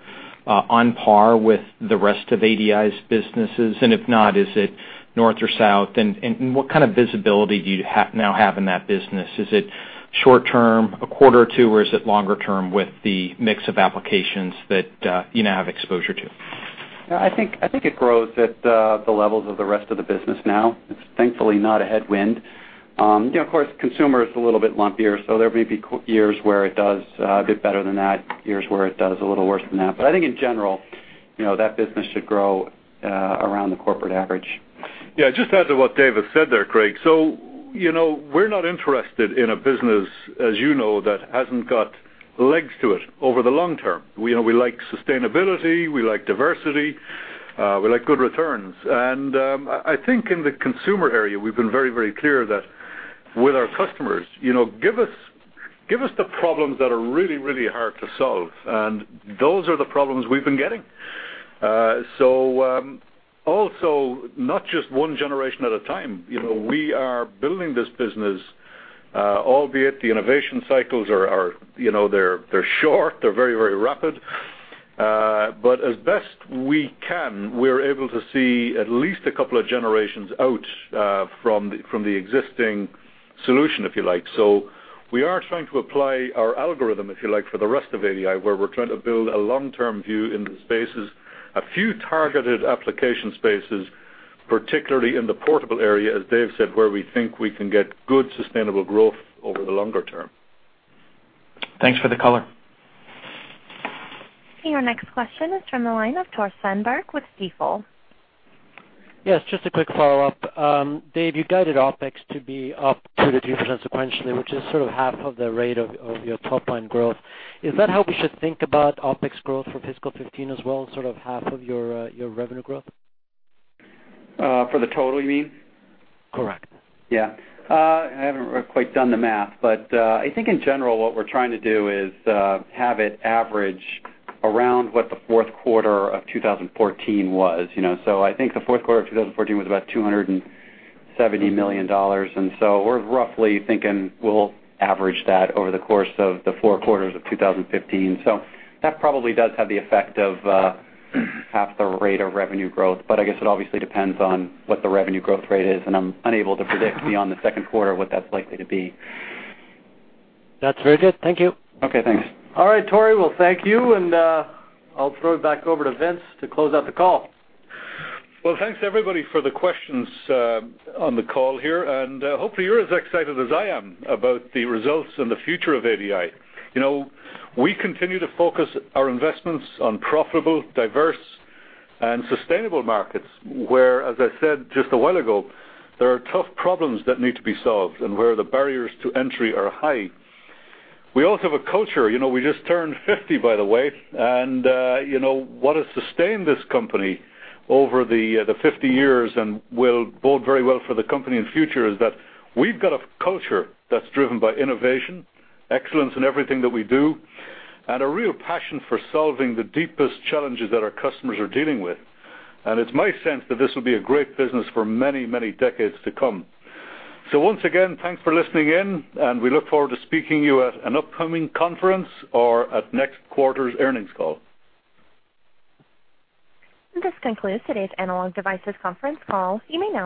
on par with the rest of ADI's businesses? If not, is it north or south? What kind of visibility do you now have in that business? Is it short-term, a quarter or two, or is it longer-term with the mix of applications that you now have exposure to? I think it grows at the levels of the rest of the business now. It's thankfully not a headwind. Of course, consumer is a little bit lumpier, so there may be years where it does a bit better than that, years where it does a little worse than that. I think in general, that business should grow around the corporate average. Yeah, just to add to what Dave has said there, Craig, we're not interested in a business, as you know, that hasn't got legs to it over the long term. We like sustainability, we like diversity, we like good returns. I think in the consumer area, we've been very, very clear that with our customers, give us the problems that are really, really hard to solve, and those are the problems we've been getting. Also, not just one generation at a time. We are building this business, albeit the innovation cycles are short, they're very, very rapid. As best we can, we're able to see at least a couple of generations out from the existing solution, if you like. We are trying to apply our algorithm, if you like, for the rest of ADI, where we're trying to build a long-term view in the spaces. A few targeted application spaces, particularly in the portable area, as Dave said, where we think we can get good sustainable growth over the longer term. Thanks for the color. Your next question is from the line of Tore Svanberg with Stifel. Yes, just a quick follow-up. Dave, you guided OpEx to be up 2%-3% sequentially, which is sort of half of the rate of your top-line growth. Is that how we should think about OpEx growth for fiscal 2015 as well, sort of half of your revenue growth? For the total, you mean? Correct. Yeah. I haven't quite done the math, I think in general, what we're trying to do is have it average around what the fourth quarter of 2014 was. I think the fourth quarter of 2014 was about $270 million, we're roughly thinking we'll average that over the course of the 4 quarters of 2015. That probably does have the effect of half the rate of revenue growth. I guess it obviously depends on what the revenue growth rate is, and I'm unable to predict beyond the second quarter what that's likely to be. That's very good. Thank you. Okay, thanks. All right, Tore, well, thank you. I'll throw it back over to Vince to close out the call. Well, thanks, everybody, for the questions on the call here. Hopefully, you're as excited as I am about the results and the future of ADI. We continue to focus our investments on profitable, diverse, and sustainable markets where, as I said just a while ago, there are tough problems that need to be solved and where the barriers to entry are high. We also have a culture. We just turned 50, by the way. What has sustained this company over the 50 years and will bode very well for the company in the future is that we've got a culture that's driven by innovation, excellence in everything that we do, and a real passion for solving the deepest challenges that our customers are dealing with. It's my sense that this will be a great business for many, many decades to come. Once again, thanks for listening in, and we look forward to speaking to you at an upcoming conference or at next quarter's earnings call. This concludes today's Analog Devices conference call. You may now.